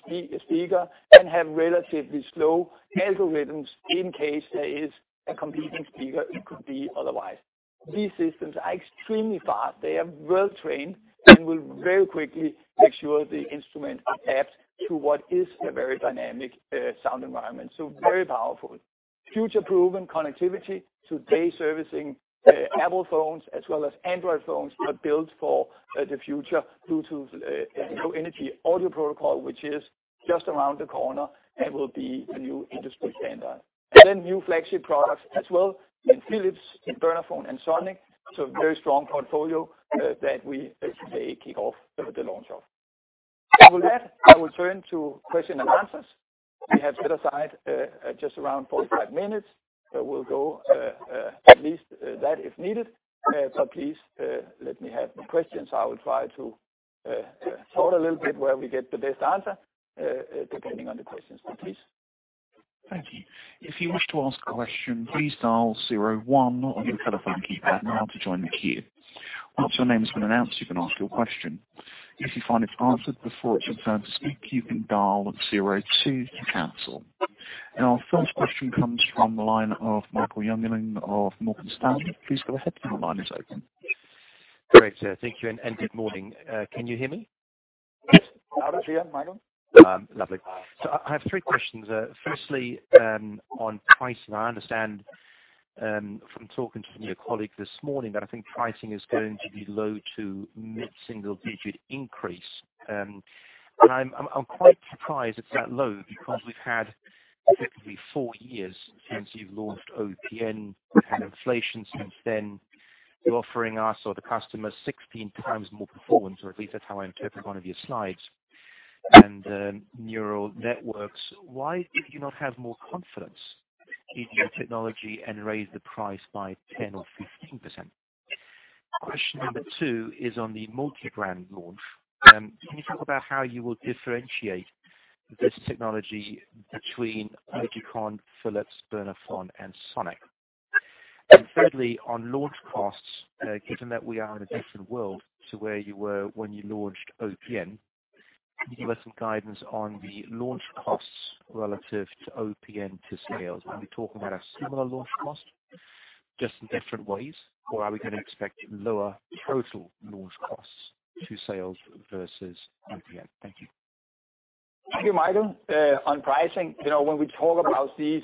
speaker and have relatively slow algorithms in case there is a competing speaker. It could be otherwise. These systems are extremely fast. They are well-trained and will very quickly make sure the instrument adapts to what is a very dynamic sound environment. So very powerful. Future-proven connectivity. Today servicing Apple phones as well as Android phones are built for the future. Bluetooth Low Energy audio protocol, which is just around the corner and will be a new industry standard. And then new flagship products as well in Philips, Bernafon, and Sonic. So a very strong portfolio that we today kick off the launch of. With that, I will turn to questions and answers. We have set aside just around 45 minutes. We'll go at least that if needed. But please let me have questions. I will try to sort a little bit where we get the best answer depending on the questions. Please. Thank you. If you wish to ask a question, please dial 01 on your telephone keypad now to join the queue. Once your name has been announced, you can ask your question. If you find it's answered before it's your turn to speak, you can dial 02 to cancel. Our first question comes from the line of Michael Jungling of Morgan Stanley. Please go ahead when the line is open. Great. Thank you and good morning. Can you hear me? Yes. Loud and clear, Michael. Lovely. So I have three questions. Firstly, on pricing, I understand from talking to some of your colleagues this morning that I think pricing is going to be low to mid-single-digit increase. I'm quite surprised it's that low because we've had typically four years since you've launched Opn and inflation since then. You're offering us or the customers 16x more performance, or at least that's how I interpret one of your slides. And neural networks, why do you not have more confidence in your technology and raise the price by 10% or 15%? Question number two is on the multi-brand launch. Can you talk about how you will differentiate this technology between Oticon, Philips, Bernafon, and Sonic? And thirdly, on launch costs, given that we are in a different world to where you were when you launched Opn, can you give us some guidance on the launch costs relative to Opn to sales? Are we talking about a similar launch cost, just in different ways, or are we going to expect lower total launch costs to sales versus Opn? Thank you. Thank you, Michael. On pricing, when we talk about these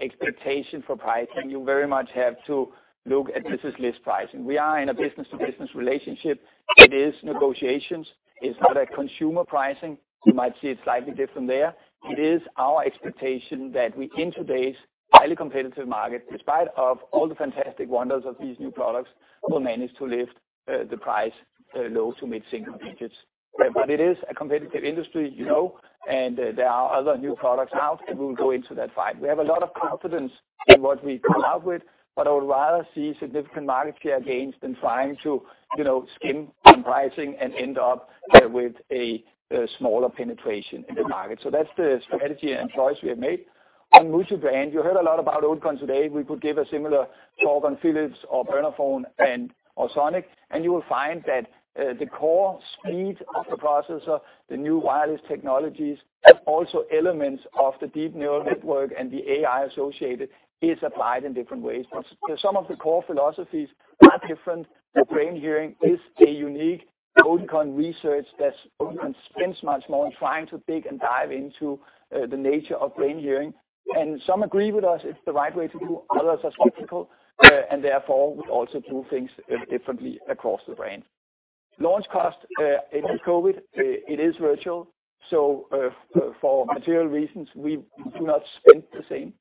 expectations for pricing, you very much have to look at business list pricing. We are in a business-to-business relationship. It is negotiations. It's not a consumer pricing. You might see it's slightly different there. It is our expectation that we in today's highly competitive market, despite all the fantastic wonders of these new products, will manage to lift the price low to mid-single digits. But it is a competitive industry, and there are other new products out. We will go into that fight. We have a lot of confidence in what we come out with, but I would rather see significant market share gains than trying to skim on pricing and end up with a smaller penetration in the market. So that's the strategy and choice we have made. On multi-brand, you heard a lot about Oticon today. We could give a similar talk on Philips or Bernafon and Sonic, and you will find that the core speed of the processor, the new wireless technologies, and also elements of the Deep Neural Network and the AI associated is applied in different ways. But some of the core philosophies are different. BrainHearing is a unique Oticon research that Oticon spends much more on trying to dig and dive into the nature of BrainHearing. Some agree with us it's the right way to do. Others are skeptical, and therefore we also do things differently across the brand. Launch costs in COVID, it is virtual. For material reasons, we do not spend the same.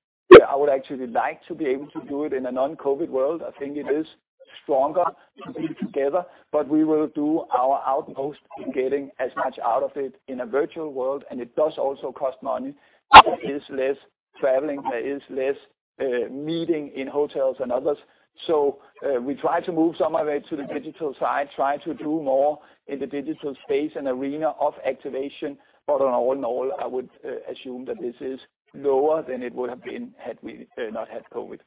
I would actually like to be able to do it in a non-COVID world. I think it is stronger to be together, but we will do our utmost in getting as much out of it in a virtual world. And it does also cost money. There is less traveling. There is less meeting in hotels and others. So we try to move some of it to the digital side, try to do more in the digital space and arena of activation. But all in all, I would assume that this is lower than it would have been had we not had COVID.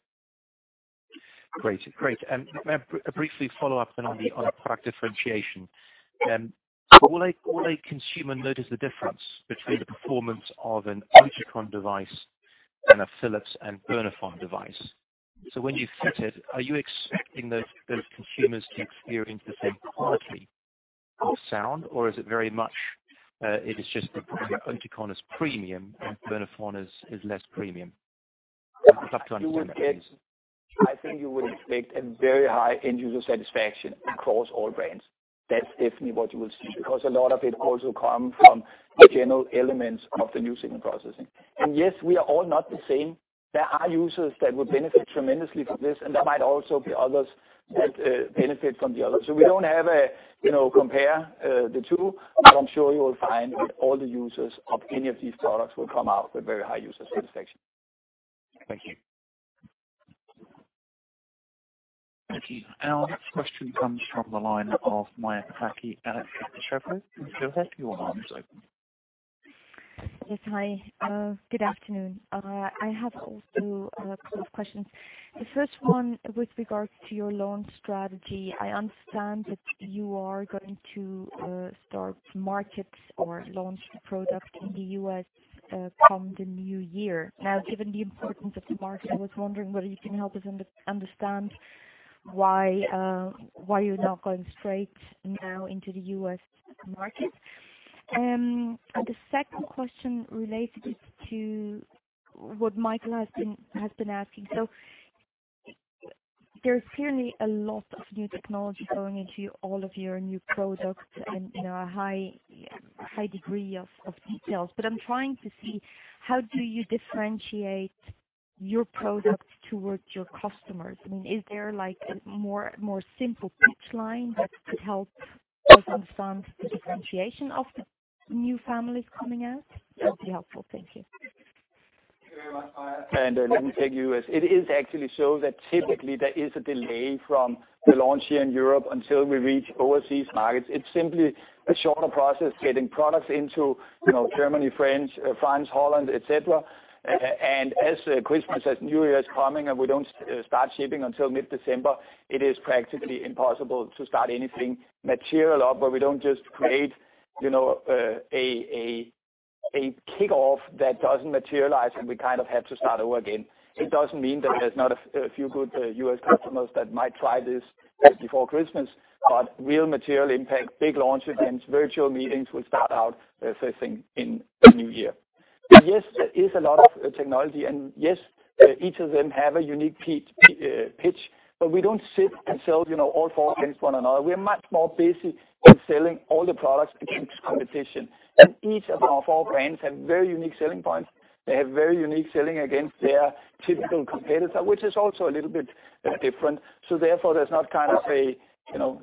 Great. Great. A brief follow-up then on product differentiation. Will a consumer notice the difference between the performance of an Oticon device and a Philips and Bernafon device? So when you fit it, are you expecting those consumers to experience the same quality of sound, or is it very much it is just Oticon is premium and Bernafon is less premium? I'd love to understand what that is. I think you would expect a very high end-user satisfaction across all brands. That's definitely what you will see because a lot of it also comes from the general elements of the new signal processing. And yes, we are all not the same. There are users that will benefit tremendously from this, and there might also be others that benefit from the others. So we don't have to compare the two, but I'm sure you will find all the users of any of these products will come out with very high user satisfaction. Thank you. Our next question comes from the line of Maja Pataki at Kepler Cheuvreux. Go ahead. Your line is open. Yes, hi. Good afternoon. I have also a couple of questions. The first one with regards to your launch strategy. I understand that you are going to start markets or launch products in the U.S. come the new year. Now, given the importance of the market, I was wondering whether you can help us understand why you're not going straight now into the U.S. market. And the second question relates to what Michael has been asking. So there's clearly a lot of new technology going into all of your new products and a high degree of details. But I'm trying to see how do you differentiate your product towards your customers? I mean, is there a more simple pitch line that could help us understand the differentiation of the new families coming out? That would be helpful. Thank you. And let me take you as it is actually so that typically there is a delay from the launch here in Europe until we reach overseas markets. It's simply a shorter process getting products into Germany, France, Holland, etc. And as Christmas, as New Year's coming, and we don't start shipping until mid-December, it is practically impossible to start anything material up where we don't just create a kickoff that doesn't materialize and we kind of have to start over again. It doesn't mean that there's not a few good US customers that might try this before Christmas, but real material impact, big launch events, virtual meetings will start out first thing in the new year. Yes, there is a lot of technology, and yes, each of them have a unique pitch, but we don't sit and sell all four against one another. We are much more busy selling all the products against competition, and each of our four brands have very unique selling points. They have very unique selling against their typical competitor, which is also a little bit different, so therefore, there's not kind of a,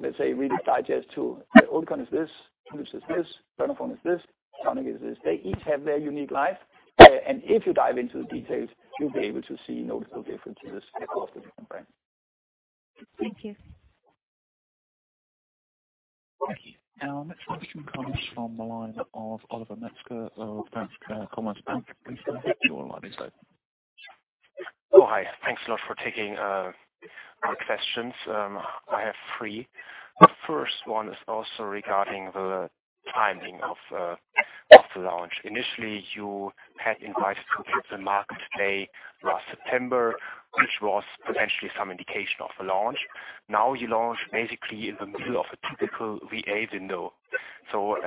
let's say, really digest to Oticon is this, Philips is this, Bernafon is this, Sonic is this. They each have their unique life, and if you dive into the details, you'll be able to see noticeable differences across the different brands. Thank you. Thank you. Our next question comes from the line of Oliver Metzger with Commerzbank. Please go ahead. Your line is open. Oh, hi. Thanks a lot for taking my questions. I have three. The first one is also regarding the timing of the launch. Initially, you had invited to the market day last September, which was potentially some indication of the launch. Now you launch basically in the middle of a typical VA window. So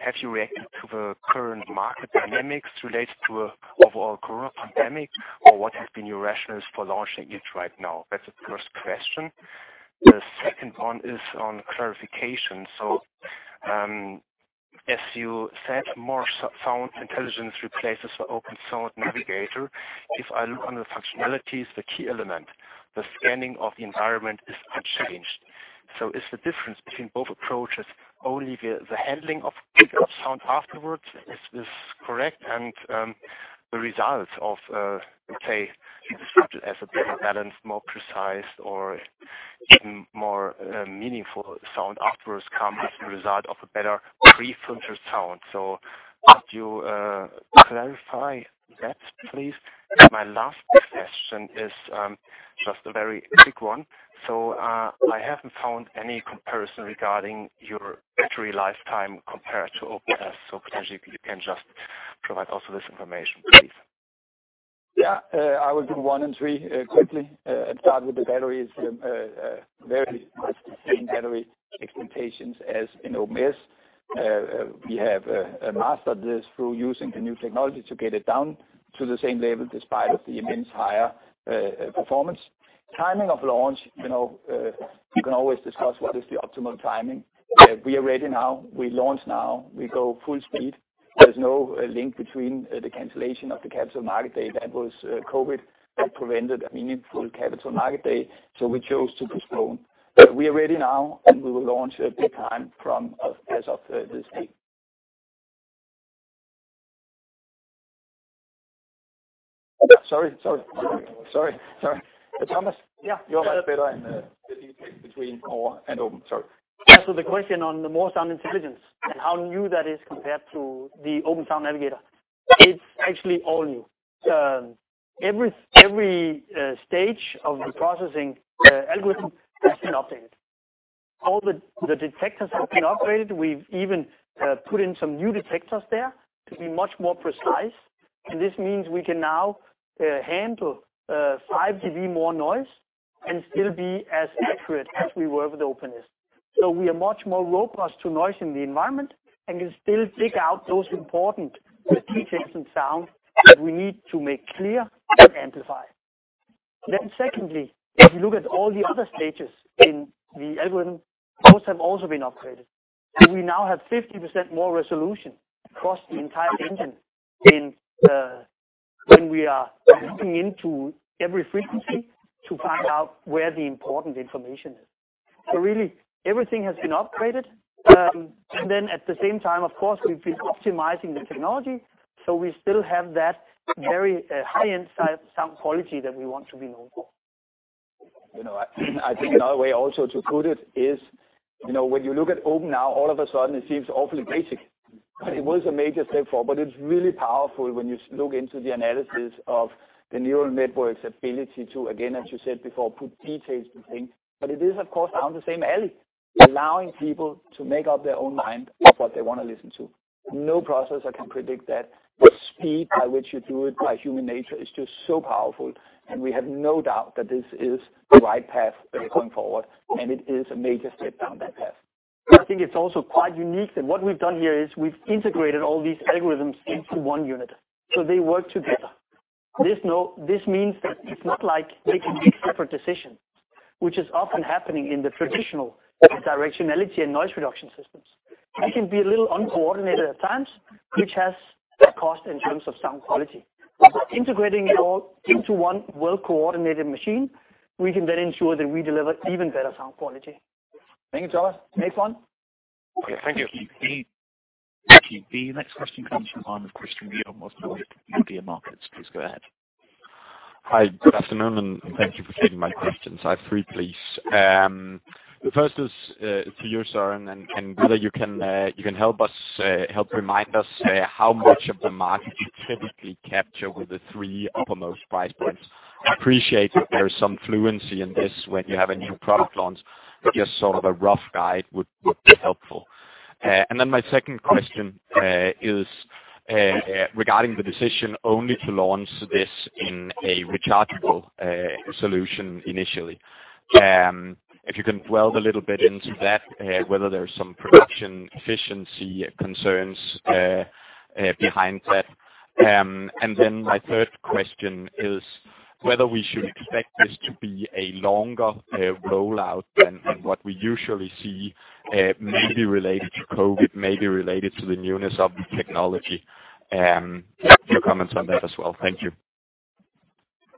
have you reacted to the current market dynamics related to the overall corona pandemic, or what have been your rationales for launching it right now? That's the first question. The second one is on clarification. So as you said, MoreSound Intelligence replaces the OpenSound Navigator. If I look on the functionalities, the key element, the scanning of the environment is unchanged. So is the difference between both approaches only the handling of sound afterwards? Is correct, and the results of, let's say, as a better balanced, more precise, or even more meaningful sound afterwards come as a result of a better pre-filtered sound? So could you clarify that, please? My last question is just a very quick one. So I haven't found any comparison regarding your battery lifetime compared to Opn S, so potentially you can just provide also this information, please. Yeah. I will do one and three quickly and start with the batteries. Very much the same battery expectations as in Opn S. We have mastered this through using the new technology to get it down to the same level despite the immense higher performance. Timing of launch, you can always discuss what is the optimal timing. We are ready now. We launch now. We go full speed. There's no link between the cancellation of the capital market day that was COVID that prevented a meaningful capital market day, so we chose to postpone. We are ready now, and we will launch at the time as of this week. Sorry. Thomas, you're much better at the details between OR and Opn. Sorry. Yeah. So the question on the MoreSound Intelligence and how new that is compared to the OpenSound Navigator, it's actually all new. Every stage of the processing algorithm has been updated. All the detectors have been upgraded. We've even put in some new detectors there to be much more precise. And this means we can now handle 5 dB more noise and still be as accurate as we were with Opn S. So we are much more robust to noise in the environment and can still pick out those important details in sound that we need to make clear and amplify. Then secondly, if you look at all the other stages in the algorithm, those have also been upgraded. So we now have 50% more resolution across the entire engine when we are looking into every frequency to find out where the important information is. So really, everything has been upgraded. And then at the same time, of course, we've been optimizing the technology, so we still have that very high-end sound quality that we want to be known for. I think another way also to put it is when you look at Opn now, all of a sudden, it seems awfully basic, but it was a major step forward, but it's really powerful when you look into the analysis of the neural network's ability to, again, as you said before, put details between things, but it is, of course, down the same alley, allowing people to make up their own mind of what they want to listen to. No processor can predict that. The speed by which you do it, by human nature, is just so powerful, and we have no doubt that this is the right path going forward, and it is a major step down that path. I think it's also quite unique that what we've done here is we've integrated all these algorithms into one unit. So they work together. This means that it's not like they can make separate decisions, which is often happening in the traditional directionality and noise reduction systems. It can be a little uncoordinated at times, which has a cost in terms of sound quality. Integrating it all into one well-coordinated machine, we can then ensure that we deliver even better sound quality. Thank you, Thomas. Next one. Okay. Thank you. The next question comes from Christian Ryom of Nordea Markets. Please go ahead. Hi. Good afternoon, and thank you for taking my questions. I have three, please. The first is to you, sir, and whether you can help us, help remind us how much of the market you typically capture with the three uppermost price points. I appreciate that there is some fluidity in this when you have a new product launch. Just sort of a rough guide would be helpful. And then my second question is regarding the decision only to launch this in a rechargeable solution initially. If you can dwell a little bit into that, whether there are some production efficiency concerns behind that. And then my third question is whether we should expect this to be a longer rollout than what we usually see, maybe related to COVID, maybe related to the newness of the technology. A few comments on that as well. Thank you.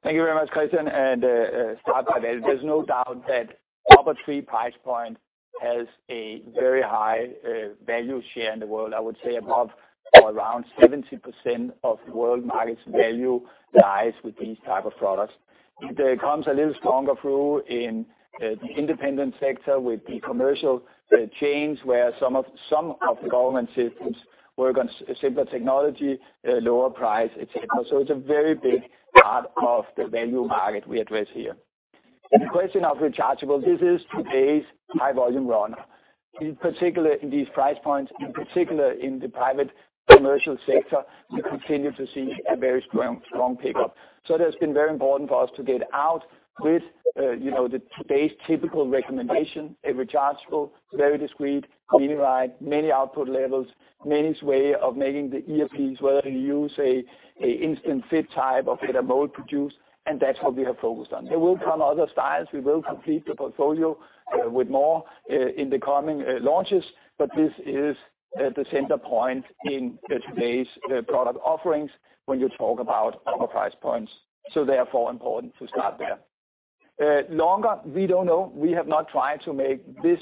Thank you very much, Christian. There's no doubt that upper three price points has a very high value share in the world. I would say above or around 70% of world market value lies with these types of products. It comes a little stronger through in the independent sector with the commercial chains where some of the government systems work on simpler technology, lower price, etc. So it's a very big part of the value market we address here. The question of rechargeable, this is today's high-volume runner. In particular, in these price points, in particular in the private commercial sector, we continue to see a very strong pickup. It has been very important for us to get out with today's typical recommendation, a rechargeable, very discreet, miniRITE, many output levels, many ways of making the earpieces, whether you use an instant fit type or BTE mold produced, and that's what we have focused on. There will come other styles. We will complete the portfolio with more in the coming launches, but this is the center point in today's product offerings when you talk about upper price points. Therefore, it is important to start there. Longer, we don't know. We have not tried to make this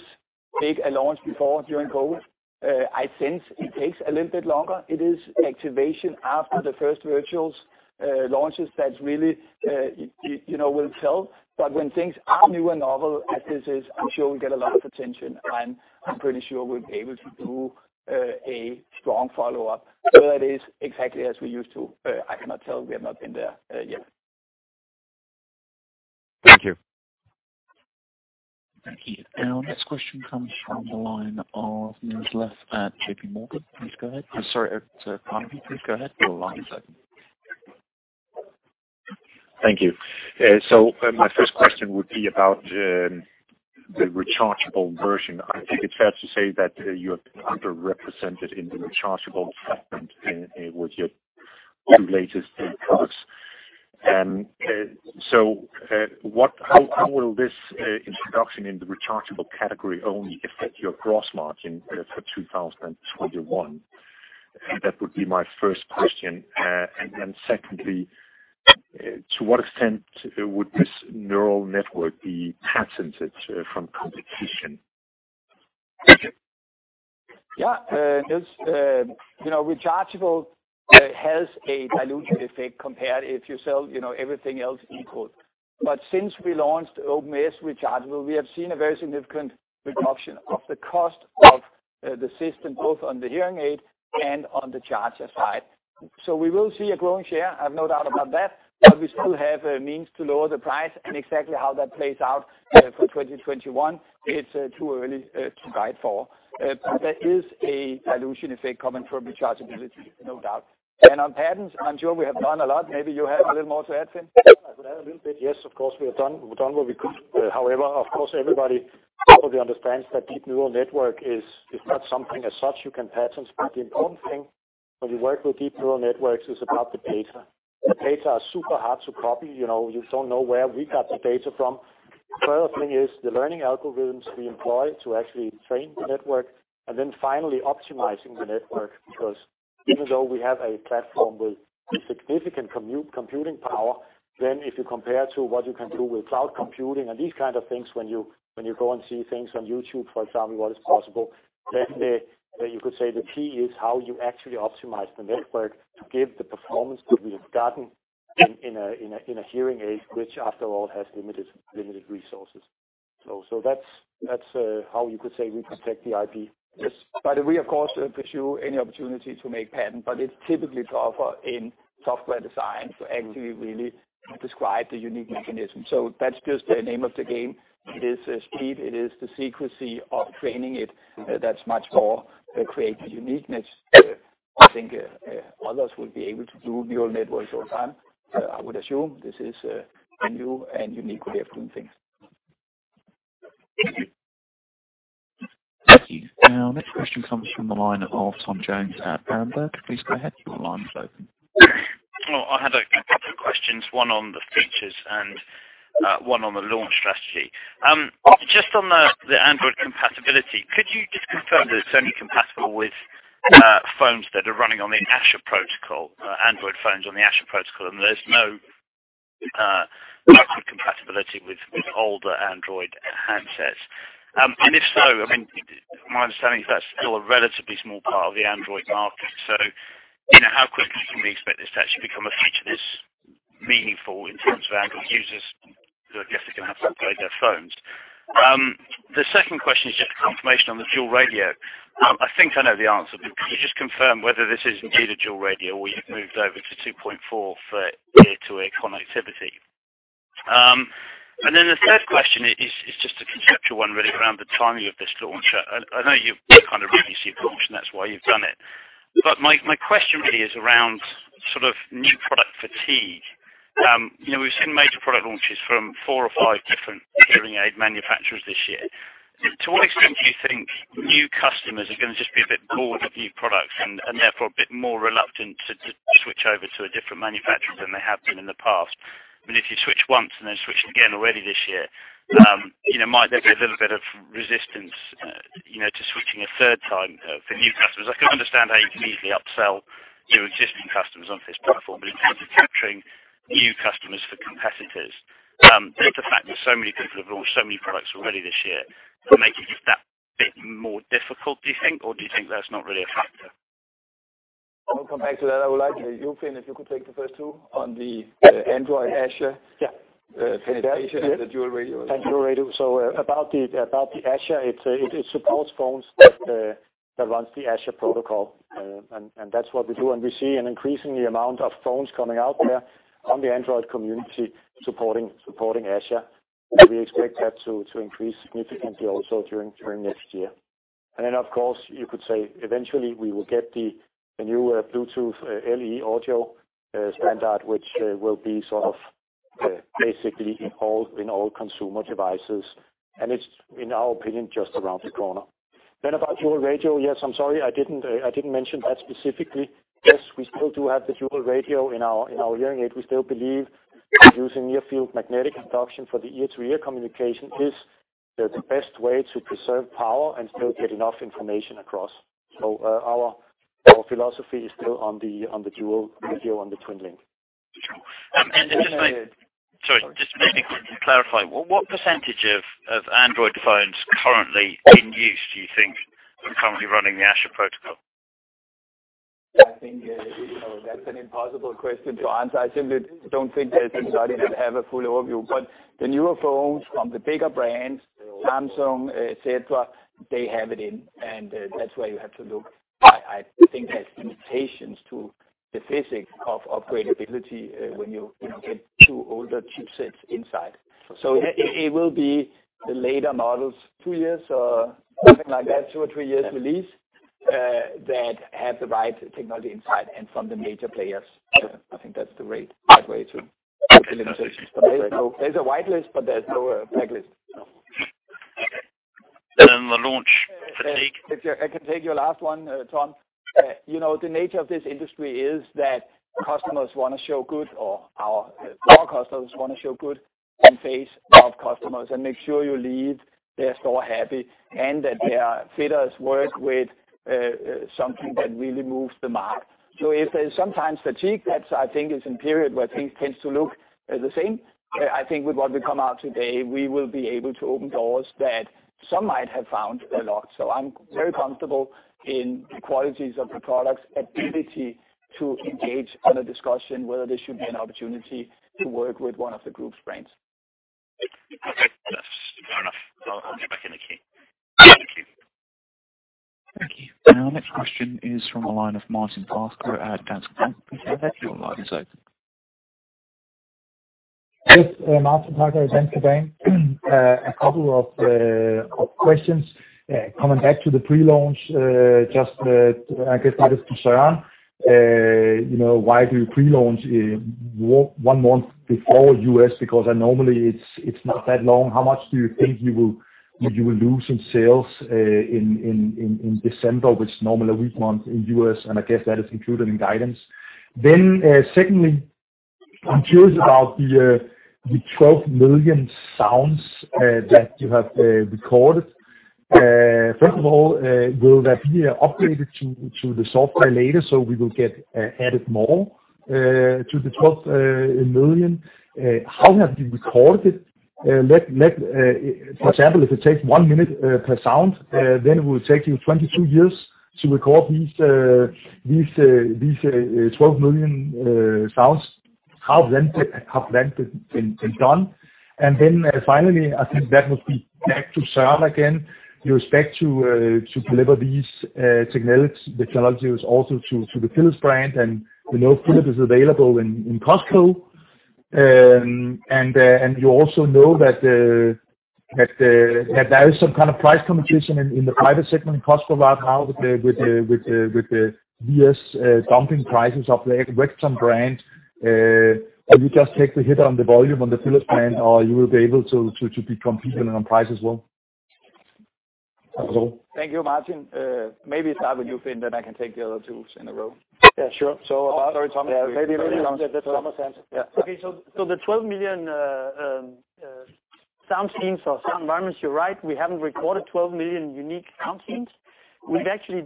big a launch before during COVID. I sense it takes a little bit longer. It is activation after the first virtual launches that really will tell. But when things are new and novel as this is, I'm sure we'll get a lot of attention. I'm pretty sure we'll be able to do a strong follow-up. Whether it is exactly as we used to, I cannot tell. We have not been there yet. Thank you. Thank you. And our next question comes from the line of Niels Leth at JPMorgan. Please go ahead. I'm sorry it is Carnegie. Please go ahead. Thank you, so my first question would be about the rechargeable version. I think it's fair to say that you're underrepresented in the rechargeable segment with your two latest products, so how will this introduction in the rechargeable category only affect your gross margin for 2021? That would be my first question, and then secondly, to what extent would this neural network be protected from competition? Yeah. More rechargeable has a dilution effect compared if you sell everything else equal. But since we launched Opn S rechargeable, we have seen a very significant reduction of the cost of the system, both on the hearing aid and on the charger side. So we will see a growing share. I have no doubt about that. But we still have a means to lower the price, and exactly how that plays out for 2021, it's too early to guide for. But there is a dilution effect coming from rechargeability, no doubt. And on patents, I'm sure we have done a lot. Maybe you have a little more to add, Finn? I will add a little bit. Yes, of course, we have done what we could. However, of course, everybody probably understands that deep neural network is not something as such you can patent. But the important thing when you work with deep neural networks is about the data. The data are super hard to copy. You don't know where we got the data from. The further thing is the learning algorithms we employ to actually train the network, and then finally optimizing the network. Because even though we have a platform with significant computing power, then if you compare to what you can do with cloud computing and these kind of things, when you go and see things on YouTube, for example, what is possible, then you could say the key is how you actually optimize the network to give the performance that we have gotten in a hearing aid, which after all has limited resources. So that's how you could say we protect the IP. But we, of course, pursue any opportunity to make patent, but it's typically to offer in software design to actually really describe the unique mechanism. So that's just the name of the game. It is the speed. It is the secrecy of training it that's much more creative uniqueness. I think others will be able to do neural networks all the time. I would assume this is new and unique way of doing things. Thank you. Our next question comes from the line of Tom Jones at Berenberg. Please go ahead. Your line is open. Hello. I had a couple of questions, one on the features and one on the launch strategy. Just on the Android compatibility, could you just confirm that it's only compatible with phones that are running on the ASHA protocol, Android phones on the ASHA protocol, and there's no compatibility with older Android handsets? And if so, I mean, my understanding is that's still a relatively small part of the Android market. So how quickly can we expect this to actually become a feature that's meaningful in terms of Android users who are definitely going to have to upgrade their phones? The second question is just confirmation on the dual radio. I think I know the answer. Could you just confirm whether this is indeed a dual radio or you've moved over to 2.4 for ear-to-ear connectivity? And then the third question is just a conceptual one, really, around the timing of this launch. I know you've kind of really seen the launch, and that's why you've done it. But my question really is around sort of new product fatigue. We've seen major product launches from four or five different hearing aid manufacturers this year. To what extent do you think new customers are going to just be a bit bored with new products and therefore a bit more reluctant to switch over to a different manufacturer than they have been in the past? I mean, if you switch once and then switch again already this year, might there be a little bit of resistance to switching a third time for new customers? I can understand how you can easily upsell your existing customers on this platform, but in terms of capturing new customers for competitors, just the fact that so many people have launched so many products already this year makes it just that bit more difficult, do you think, or do you think that's not really a factor? I'll come back to that. I would like you, Finn, if you could take the first two on the Android ASHA. Yeah. Finn, is that you? The dual radio? Yeah. And dual radio. So about the ASHA, it supports phones that run the ASHA protocol. And that's what we do. And we see an increasing amount of phones coming out there on the Android community supporting ASHA. So we expect that to increase significantly also during next year. And then, of course, you could say eventually we will get the new Bluetooth LE Audio standard, which will be sort of basically in all consumer devices. And it's, in our opinion, just around the corner. Then about dual radio, yes, I'm sorry, I didn't mention that specifically. Yes, we still do have the dual radio in our hearing aid. We still believe that using near-field magnetic induction for the ear-to-ear communication is the best way to preserve power and still get enough information across. So our philosophy is still on the dual radio, on the TwinLink. Sure. And just maybe clarify, what percentage of Android phones currently in use do you think are currently running the ASHA protocol? I think that's an impossible question to answer. I simply don't think there's anybody that has a full overview. But the newer phones from the bigger brands, Samsung, etc., they have it in. And that's where you have to look. I think there's limitations to the physics of upgradability when you get too old chipsets inside. So it will be the later models, two years or something like that, two or three years release that have the right technology inside and from the major players. I think that's the right way to put the limitations. There's a whitelist, but there's no blacklist. And then the launch fatigue. I can take your last one, Tom. The nature of this industry is that customers want to show good, or our customers want to show good in the face of customers and make sure you leave their store happy and that their fitters work with something that really moves the mark. So if there's sometimes fatigue, that's, I think, is a period where things tend to look the same. I think with what we come out today, we will be able to open doors that some might have found a lot. So I'm very comfortable in the qualities of the products, ability to engage on a discussion, whether there should be an opportunity to work with one of the group's brands. Okay. That's fair enough. I'll be back in the queue. Thank you. Thank you. Our next question is from the line of Martin Parkhøi at Danske Bank. Please go ahead. Your line is open. Yes. Martin Parkhøi, Danske Bank. A couple of questions coming back to the pre-launch. Just I guess my question to Søren, why do you pre-launch one month before U.S.? Because normally it's not that long. How much do you think you will lose in sales in December, which is normally a weak month in U.S.? And I guess that is included in guidance. Then secondly, I'm curious about the 12 million sounds that you have recorded. First of all, will that be updated to the software later so we will get added more to the 12 million? How have you recorded it? For example, if it takes one minute per sound, then it will take you 22 years to record these 12 million sounds. How have that been done? And then finally, I think that must be back to Søren again. You expect to deliver these technologies also to the Philips brand, and we know Philips is available in Costco. And you also know that there is some kind of price competition in the private segment in Costco right now with the U.S. dumping prices of the Rexton brand. Will you just take the hit on the volume on the Philips brand, or you will be able to be competing on price as well? Thank you, Martin. Maybe start with you, Finn, then I can take the other two in a row. Yeah, sure. Sorry, Thom. Maybe a little bit of sound. Okay, so the 12 million sound scenes or sound environments, you're right. We haven't recorded 12 million unique sound scenes. We've actually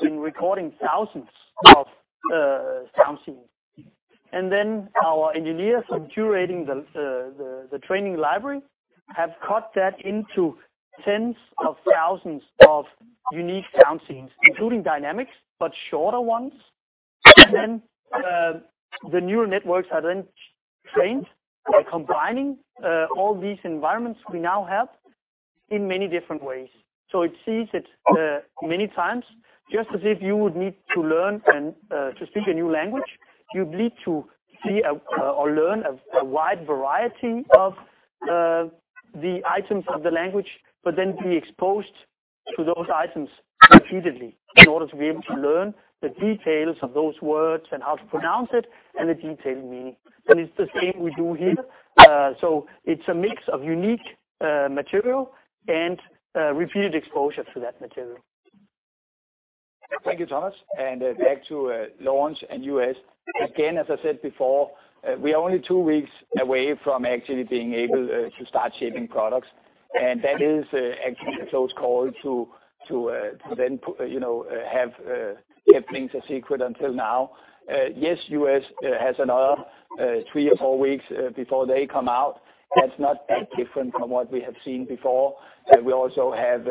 been recording thousands of sound scenes, and then our engineers are curating the training library, have cut that into tens of thousands of unique sound scenes, including dynamics, but shorter ones, and then the neural networks are then trained by combining all these environments we now have in many different ways, so it sees it many times, just as if you would need to learn and to speak a new language, you'd need to see or learn a wide variety of the items of the language, but then be exposed to those items repeatedly in order to be able to learn the details of those words and how to pronounce it and the detailed meaning, and it's the same we do here. It's a mix of unique material and repeated exposure to that material. Thank you, Thomas. Back to launch and U.S. Again, as I said before, we are only two weeks away from actually being able to start shipping products. And that is actually a close call to then have kept things a secret until now. Yes, U.S. has another three or four weeks before they come out. That's not that different from what we have seen before. We also have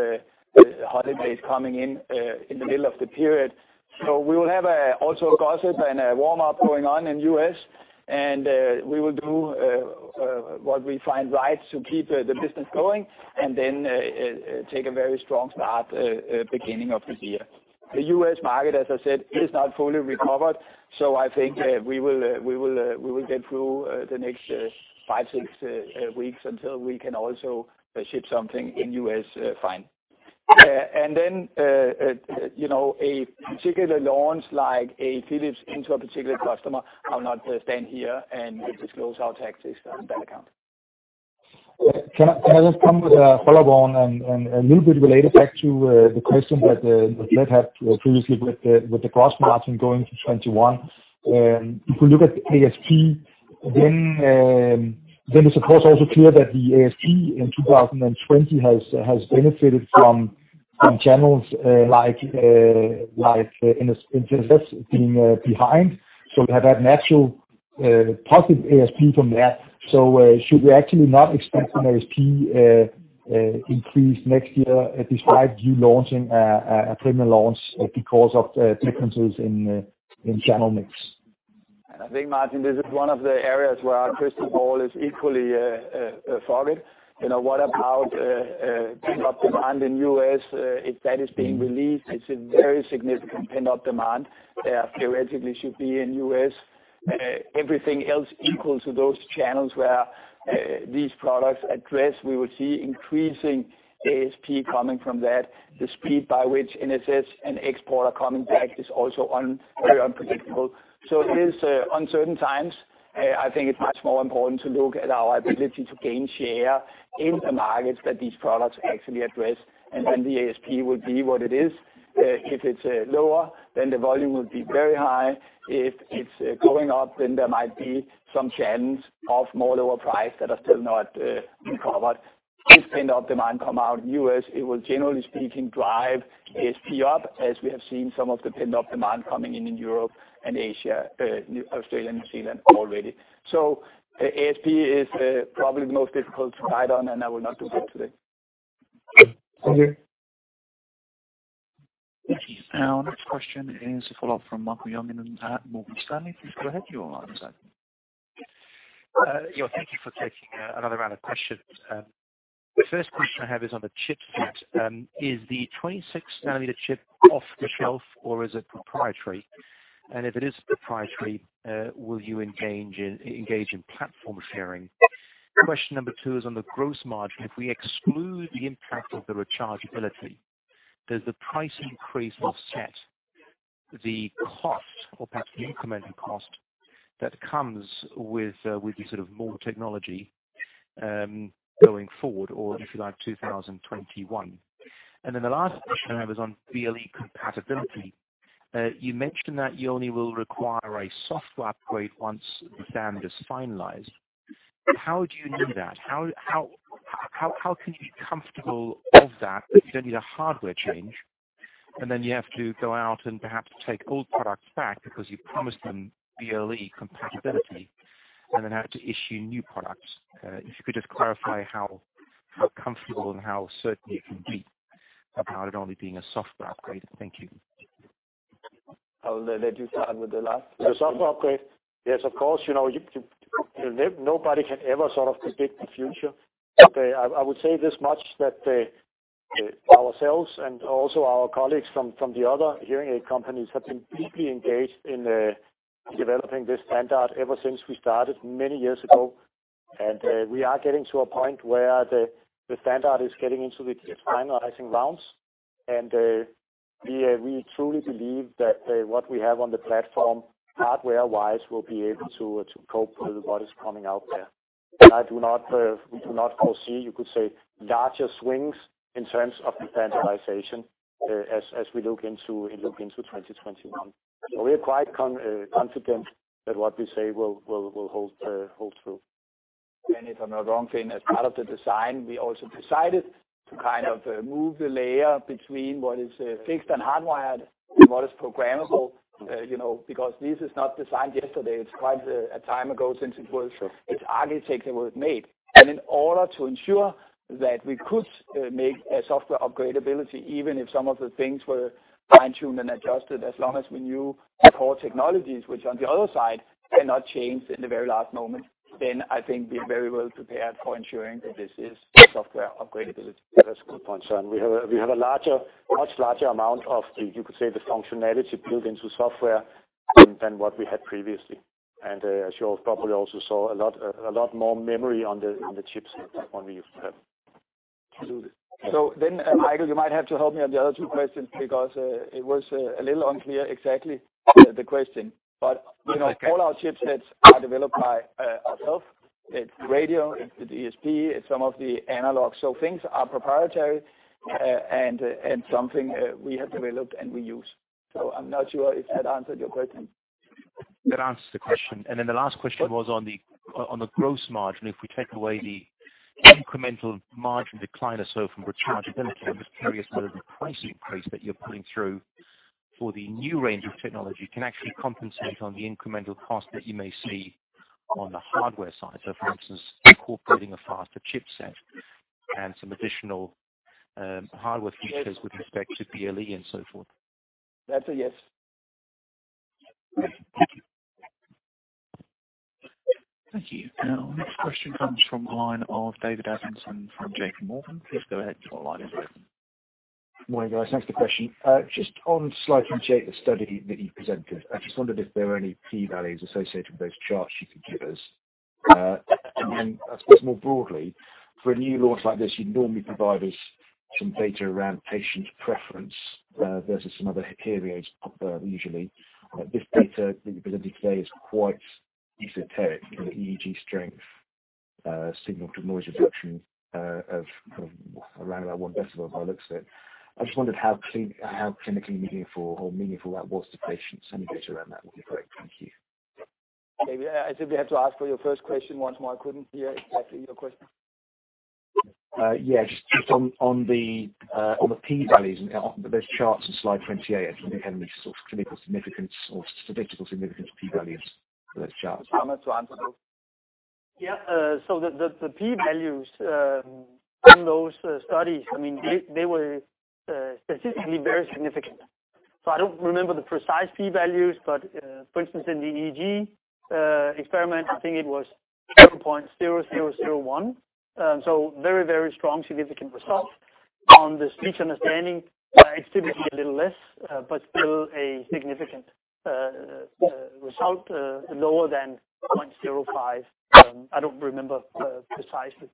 holidays coming in in the middle of the period. So we will have also gaps and a warm-up going on in U.S. And we will do what we find right to keep the business going and then take a very strong start beginning of the year. The U.S. market, as I said, is not fully recovered. So I think we will get through the next five, six weeks until we can also ship something in U.S. fine. Then a particular launch like a Philips into a particular customer. I'll not stand here and disclose our tactics on that account. Can I just come with a follow-up on a little bit related back to the question that Niels had previously with the gross margin going to 21%. If we look at the ASP, then it's of course also clear that the ASP in 2020 has benefited from channels like NHS being behind. So we have had an actual positive ASP from that. So should we actually not expect an ASP increase next year despite you launching a premium launch because of differences in channel mix? And I think, Martin, this is one of the areas where our crystal ball is equally foggy. What about pent-up demand in U.S.? If that is being released, it's a very significant pent-up demand. Theoretically, it should be in U.S. Everything else equal to those channels where these products address, we will see increasing ASP coming from that. The speed by which NHS and export are coming back is also very unpredictable. So it is uncertain times. I think it's much more important to look at our ability to gain share in the markets that these products actually address. And then the ASP will be what it is. If it's lower, then the volume will be very high. If it's going up, then there might be some channels of more lower price that are still not recovered. If pent-up demand comes out in U.S., it will, generally speaking, drive ASP up, as we have seen some of the pent-up demand coming in in Europe and Asia, Australia, and New Zealand already. So ASP is probably the most difficult to guide on, and I will not do that today. Thank you. Our next question is a follow-up from Michael Jungling at Morgan Stanley. Please go ahead. You're on the side. Yeah. Thank you for taking another round of questions. The first question I have is on the chips. Is the 28-nanometer chip off the shelf, or is it proprietary? And if it is proprietary, will you engage in platform sharing? Question number two is on the gross margin. If we exclude the impact of the rechargeability, does the price increase offset the cost or perhaps the incremental cost that comes with the sort of more technology going forward, or if you like, 2021? And then the last question I have is on BLE compatibility. You mentioned that you only will require a software upgrade once the standard is finalized. How do you know that? How can you be comfortable of that you don't need a hardware change, and then you have to go out and perhaps take old products back because you promised them BLE compatibility and then have to issue new products? If you could just clarify how comfortable and how certain you can be about it only being a software upgrade. Thank you. I'll let you start with the last. The software upgrade, yes, of course. Nobody can ever sort of predict the future, but I would say this much, that ourselves and also our colleagues from the other hearing aid companies have been deeply engaged in developing this standard ever since we started many years ago. We are getting to a point where the standard is getting into the finalizing rounds. We truly believe that what we have on the platform, hardware-wise, will be able to cope with what is coming out there. We do not foresee, you could say, larger swings in terms of the standardization as we look into 2021. We are quite confident that what we say will hold true. If I'm not wrong, Finn, as part of the design, we also decided to kind of move the layer between what is fixed and hardwired and what is programmable because this is not designed yesterday. It's quite a time ago since its architecture was made. In order to ensure that we could make a software upgradability, even if some of the things were fine-tuned and adjusted as long as we knew the core technologies, which on the other side cannot change in the very last moment, then I think we are very well prepared for ensuring that this is software upgradability. That's a good point, Søren. We have a much larger amount of, you could say, the functionality built into software than what we had previously. And as you probably also saw, a lot more memory on the chips than what we used to have. So then, Michael, you might have to help me on the other two questions because it was a little unclear exactly the question. But all our chipsets are developed by ourselves. It's radio, it's the DSP, it's some of the analogs. So things are proprietary and something we have developed and we use. So I'm not sure if that answered your question. That answers the question, and then the last question was on the gross margin. If we take away the incremental margin decline or so from rechargeability, I'm just curious whether the price increase that you're putting through for the new range of technology can actually compensate on the incremental cost that you may see on the hardware side, so for instance, incorporating a faster chipset and some additional hardware features with respect to BLE and so forth. That's a yes. Thank you. Our next question comes from the line of David Adlington from JPMorgan. Please go ahead. Your line is open. Morning, guys. Thanks for the question. Just on slide 28, the study that you presented, I just wondered if there were any P-values associated with those charts you could give us. And then I suppose more broadly, for a new launch like this, you'd normally provide us some data around patient preference versus some other hearing aids usually. This data that you presented today is quite esoteric in the EEG strength, signal-to-noise reduction of around about one decibel by looks of it. I just wondered how clinically meaningful or meaningful that was to patients. Any data around that would be great. Thank you. David, I simply have to ask for your first question once more. I couldn't hear exactly your question. Yeah. Just on the P-values, those charts on slide 28, do you think have any sort of clinical significance or statistical significance? P-values for those charts? Thomas, to answer those? Yeah. So the P-values in those studies, I mean, they were statistically very significant. So I don't remember the precise P-values, but for instance, in the EEG experiment, I think it was 0.0001. So very, very strong significant result. On the speech understanding, it's typically a little less, but still a significant result, lower than 0.05. I don't remember precisely.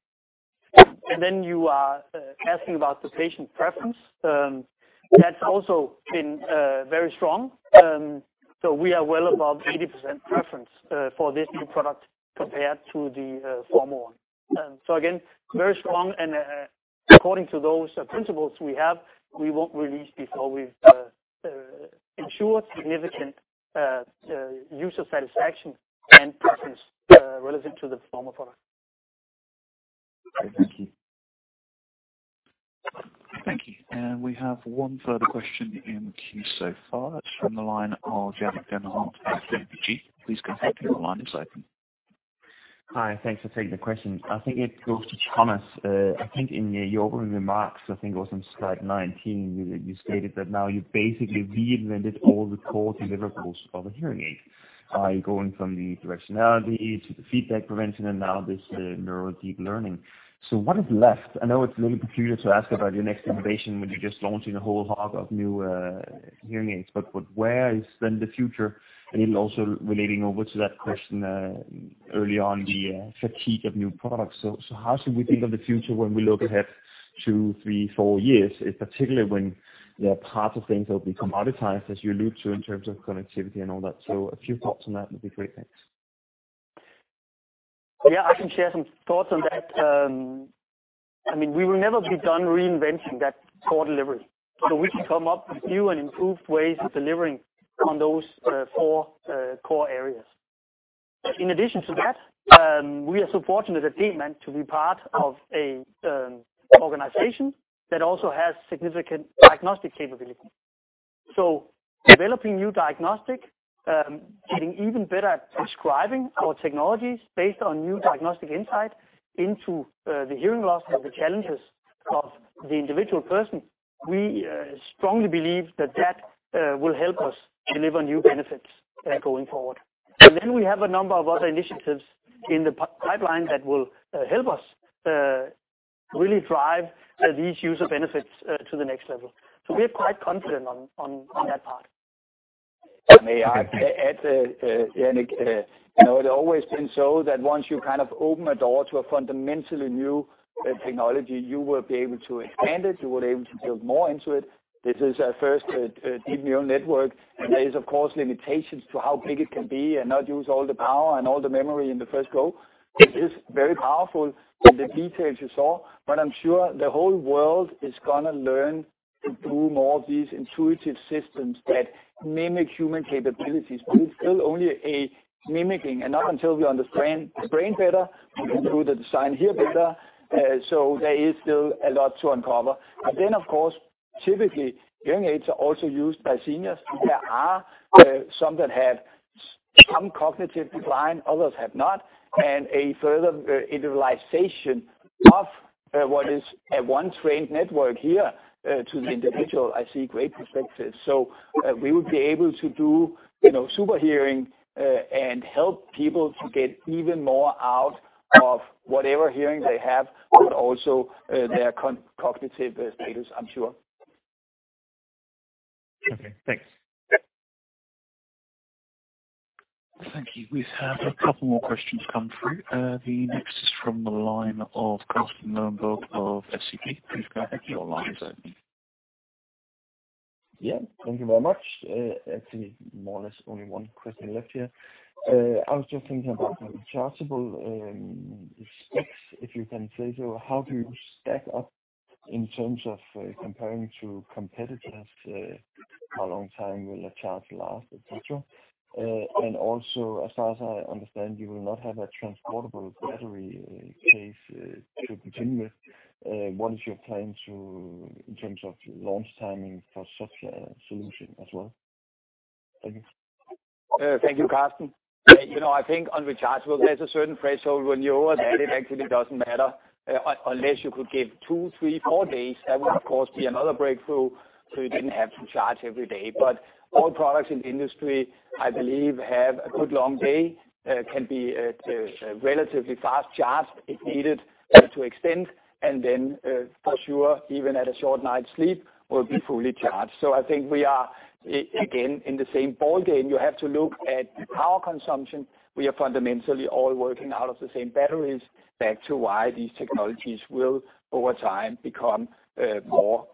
And then you are asking about the patient preference. That's also been very strong. So we are well above 80% preference for this new product compared to the former one. So again, very strong. And according to those principles we have, we won't release before we've ensured significant user satisfaction and preference relative to the former product. Okay. Thank you. Thank you, and we have one further question in queue so far. It's from the line of Yannick [de Kerchove] at [KPMG]. Please go ahead and keep the line open. Hi. Thanks for taking the question. I think it goes to Thomas. I think in your opening remarks, I think it was on slide 19, you stated that now you've basically reinvented all the core deliverables of a hearing aid by going from the directionality to the feedback prevention and now this neural deep learning. So what is left? I know it's a little peculiar to ask about your next innovation when you're just launching a whole host of new hearing aids, but where is then the future? And it'll also relating over to that question early on, the fatigue of new products. So how should we think of the future when we look ahead two, three, four years, particularly when there are parts of things that will be commoditized, as you alluded to, in terms of connectivity and all that? So a few thoughts on that would be great. Thanks. Yeah. I can share some thoughts on that. I mean, we will never be done reinventing that core delivery. So we can come up with new and improved ways of delivering on those four core areas. In addition to that, we are so fortunate at Demant to be part of an organization that also has significant diagnostic capability. So developing new diagnostic, getting even better at prescribing our technologies based on new diagnostic insight into the hearing loss and the challenges of the individual person, we strongly believe that that will help us deliver new benefits going forward. And then we have a number of other initiatives in the pipeline that will help us really drive these user benefits to the next level. So we are quite confident on that part. May I add, Yannick? It has always been so that once you kind of open a door to a fundamentally new technology, you will be able to expand it. You will be able to build more into it. This is a first Deep Neural Network. And there is, of course, limitations to how big it can be and not use all the power and all the memory in the first go. It is very powerful in the details you saw, but I'm sure the whole world is going to learn to do more of these intuitive systems that mimic human capabilities. But it's still only a mimicking, and not until we understand the brain better, we can do the design here better. So there is still a lot to uncover. And then, of course, typically, hearing aids are also used by seniors. There are some that have some cognitive decline. Others have not, and a further individualization of what is a neural network here to the individual. I see great perspectives, so we will be able to do super hearing and help people to get even more out of whatever hearing they have, but also their cognitive status. I'm sure. Okay. Thanks. Thank you. We've had a couple more questions come through. The next is from the line of Carsten Lønborg of SEB. Please go ahead to your line, certainly. Yeah. Thank you very much. Actually, more or less, only one question left here. I was just thinking about the rechargeable sticks, if you can say so. How do you stack up in terms of comparing to competitors? How long time will a charge last, etc.? And also, as far as I understand, you will not have a transportable battery case to begin with. What is your plan in terms of launch timing for such a solution as well? Thank you. Thank you, Carsten. I think on rechargeables, there's a certain threshold when you're over that. It actually doesn't matter unless you could give two, three, four days. That would, of course, be another breakthrough so you didn't have to charge every day. But all products in the industry, I believe, have a good long day, can be relatively fast charged if needed to extend, and then for sure, even at a short night's sleep, will be fully charged. So I think we are, again, in the same ballgame. You have to look at power consumption. We are fundamentally all working out of the same batteries. Back to why these technologies will, over time, become more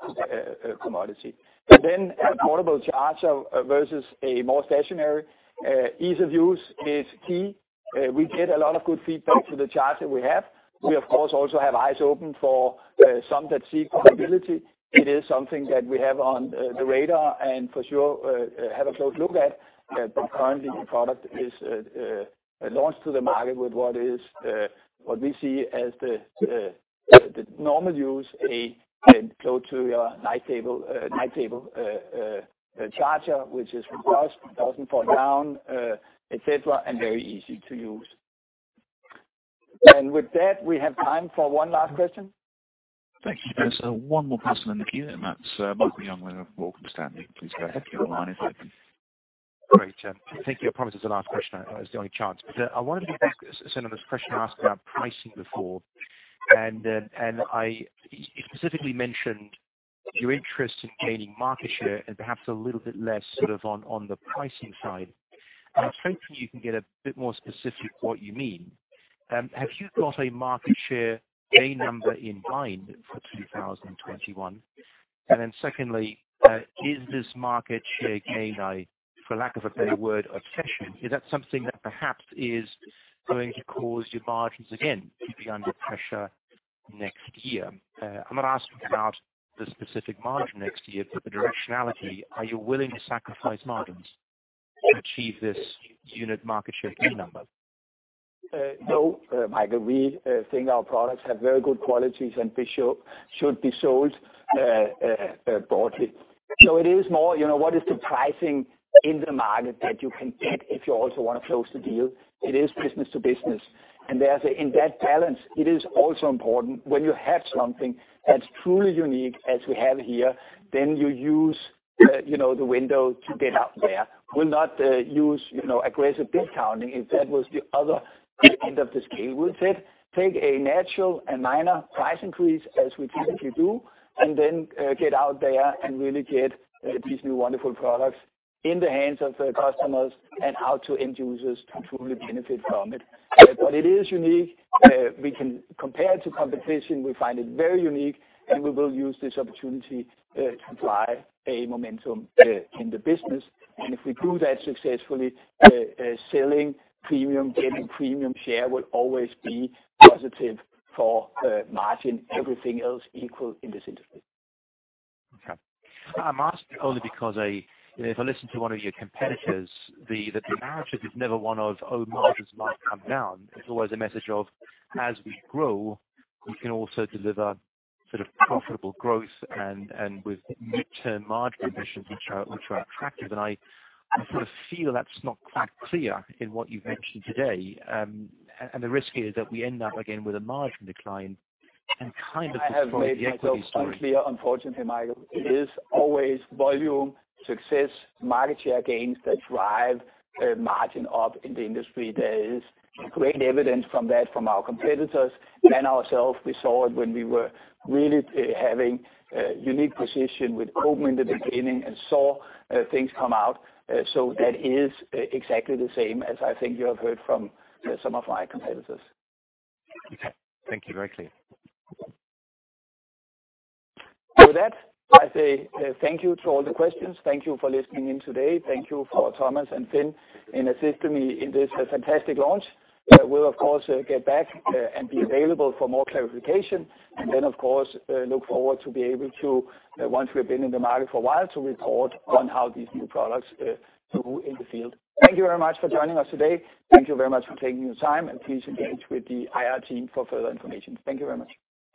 commodity. And then portable charger versus a more stationary, ease of use is key. We get a lot of good feedback for the charger we have. We, of course, also have eyes open for some that seek portability. It is something that we have on the radar and for sure have a close look at. But currently, the product is launched to the market with what we see as the normal use, a close-to-your-night-table charger, which is robust, doesn't fall down, etc., and very easy to use. And with that, we have time for one last question. Thank you. There's one more person in the queue, and that's Michael Jungling with Morgan Stanley. Please go ahead to your line, if you can. Great. Thank you. I promised it's the last question. It's the only chance. But I wanted to send in this question to ask about pricing before. And you specifically mentioned your interest in gaining market share and perhaps a little bit less sort of on the pricing side. I'm hoping you can get a bit more specific what you mean. Have you got a market share gain number in mind for 2021? And then secondly, is this market share gain a, for lack of a better word, obsession? Is that something that perhaps is going to cause your margins again to be under pressure next year? I'm not asking about the specific margin next year, but the directionality. Are you willing to sacrifice margins to achieve this unit market share gain number? No, Michael, we think our products have very good qualities and should be sold broadly. So it is more what is the pricing in the market that you can get if you also want to close the deal. It is business to business. And in that balance, it is also important when you have something that's truly unique as we have here, then you use the window to get out there. We'll not use aggressive discounting if that was the other end of the scale. We'll take a natural and minor price increase as we typically do, and then get out there and really get these new wonderful products in the hands of the customers and out to end users to truly benefit from it. But it is unique. We can compare it to competition. We find it very unique, and we will use this opportunity to drive a momentum in the business. And if we do that successfully, selling premium, getting premium share will always be positive for margin, everything else equal in this industry. Okay. I'm asked only because if I listen to one of your competitors, the narrative is never one of, "Oh, margins must come down." It's always a message of, "As we grow, we can also deliver sort of profitable growth and with mid-term margin conditions which are attractive." And I sort of feel that's not quite clear in what you've mentioned today. And the risk is that we end up again with a margin decline and kind of destroy the equity story. Unfortunately, unfortunately, Michael, it is always volume, success, market share gains that drive margin up in the industry. There is great evidence from that from our competitors and ourselves. We saw it when we were really having a unique position with Opn in the beginning and saw things come out. So that is exactly the same as I think you have heard from some of my competitors. Okay. Thank you. Very clear. With that, I say thank you to all the questions. Thank you for listening in today. Thank you for Thomas and Finn in assisting me in this fantastic launch. We'll, of course, get back and be available for more clarification. And then, of course, look forward to be able to, once we've been in the market for a while, to report on how these new products do in the field. Thank you very much for joining us today. Thank you very much for taking your time, and please engage with the IR team for further information. Thank you very much.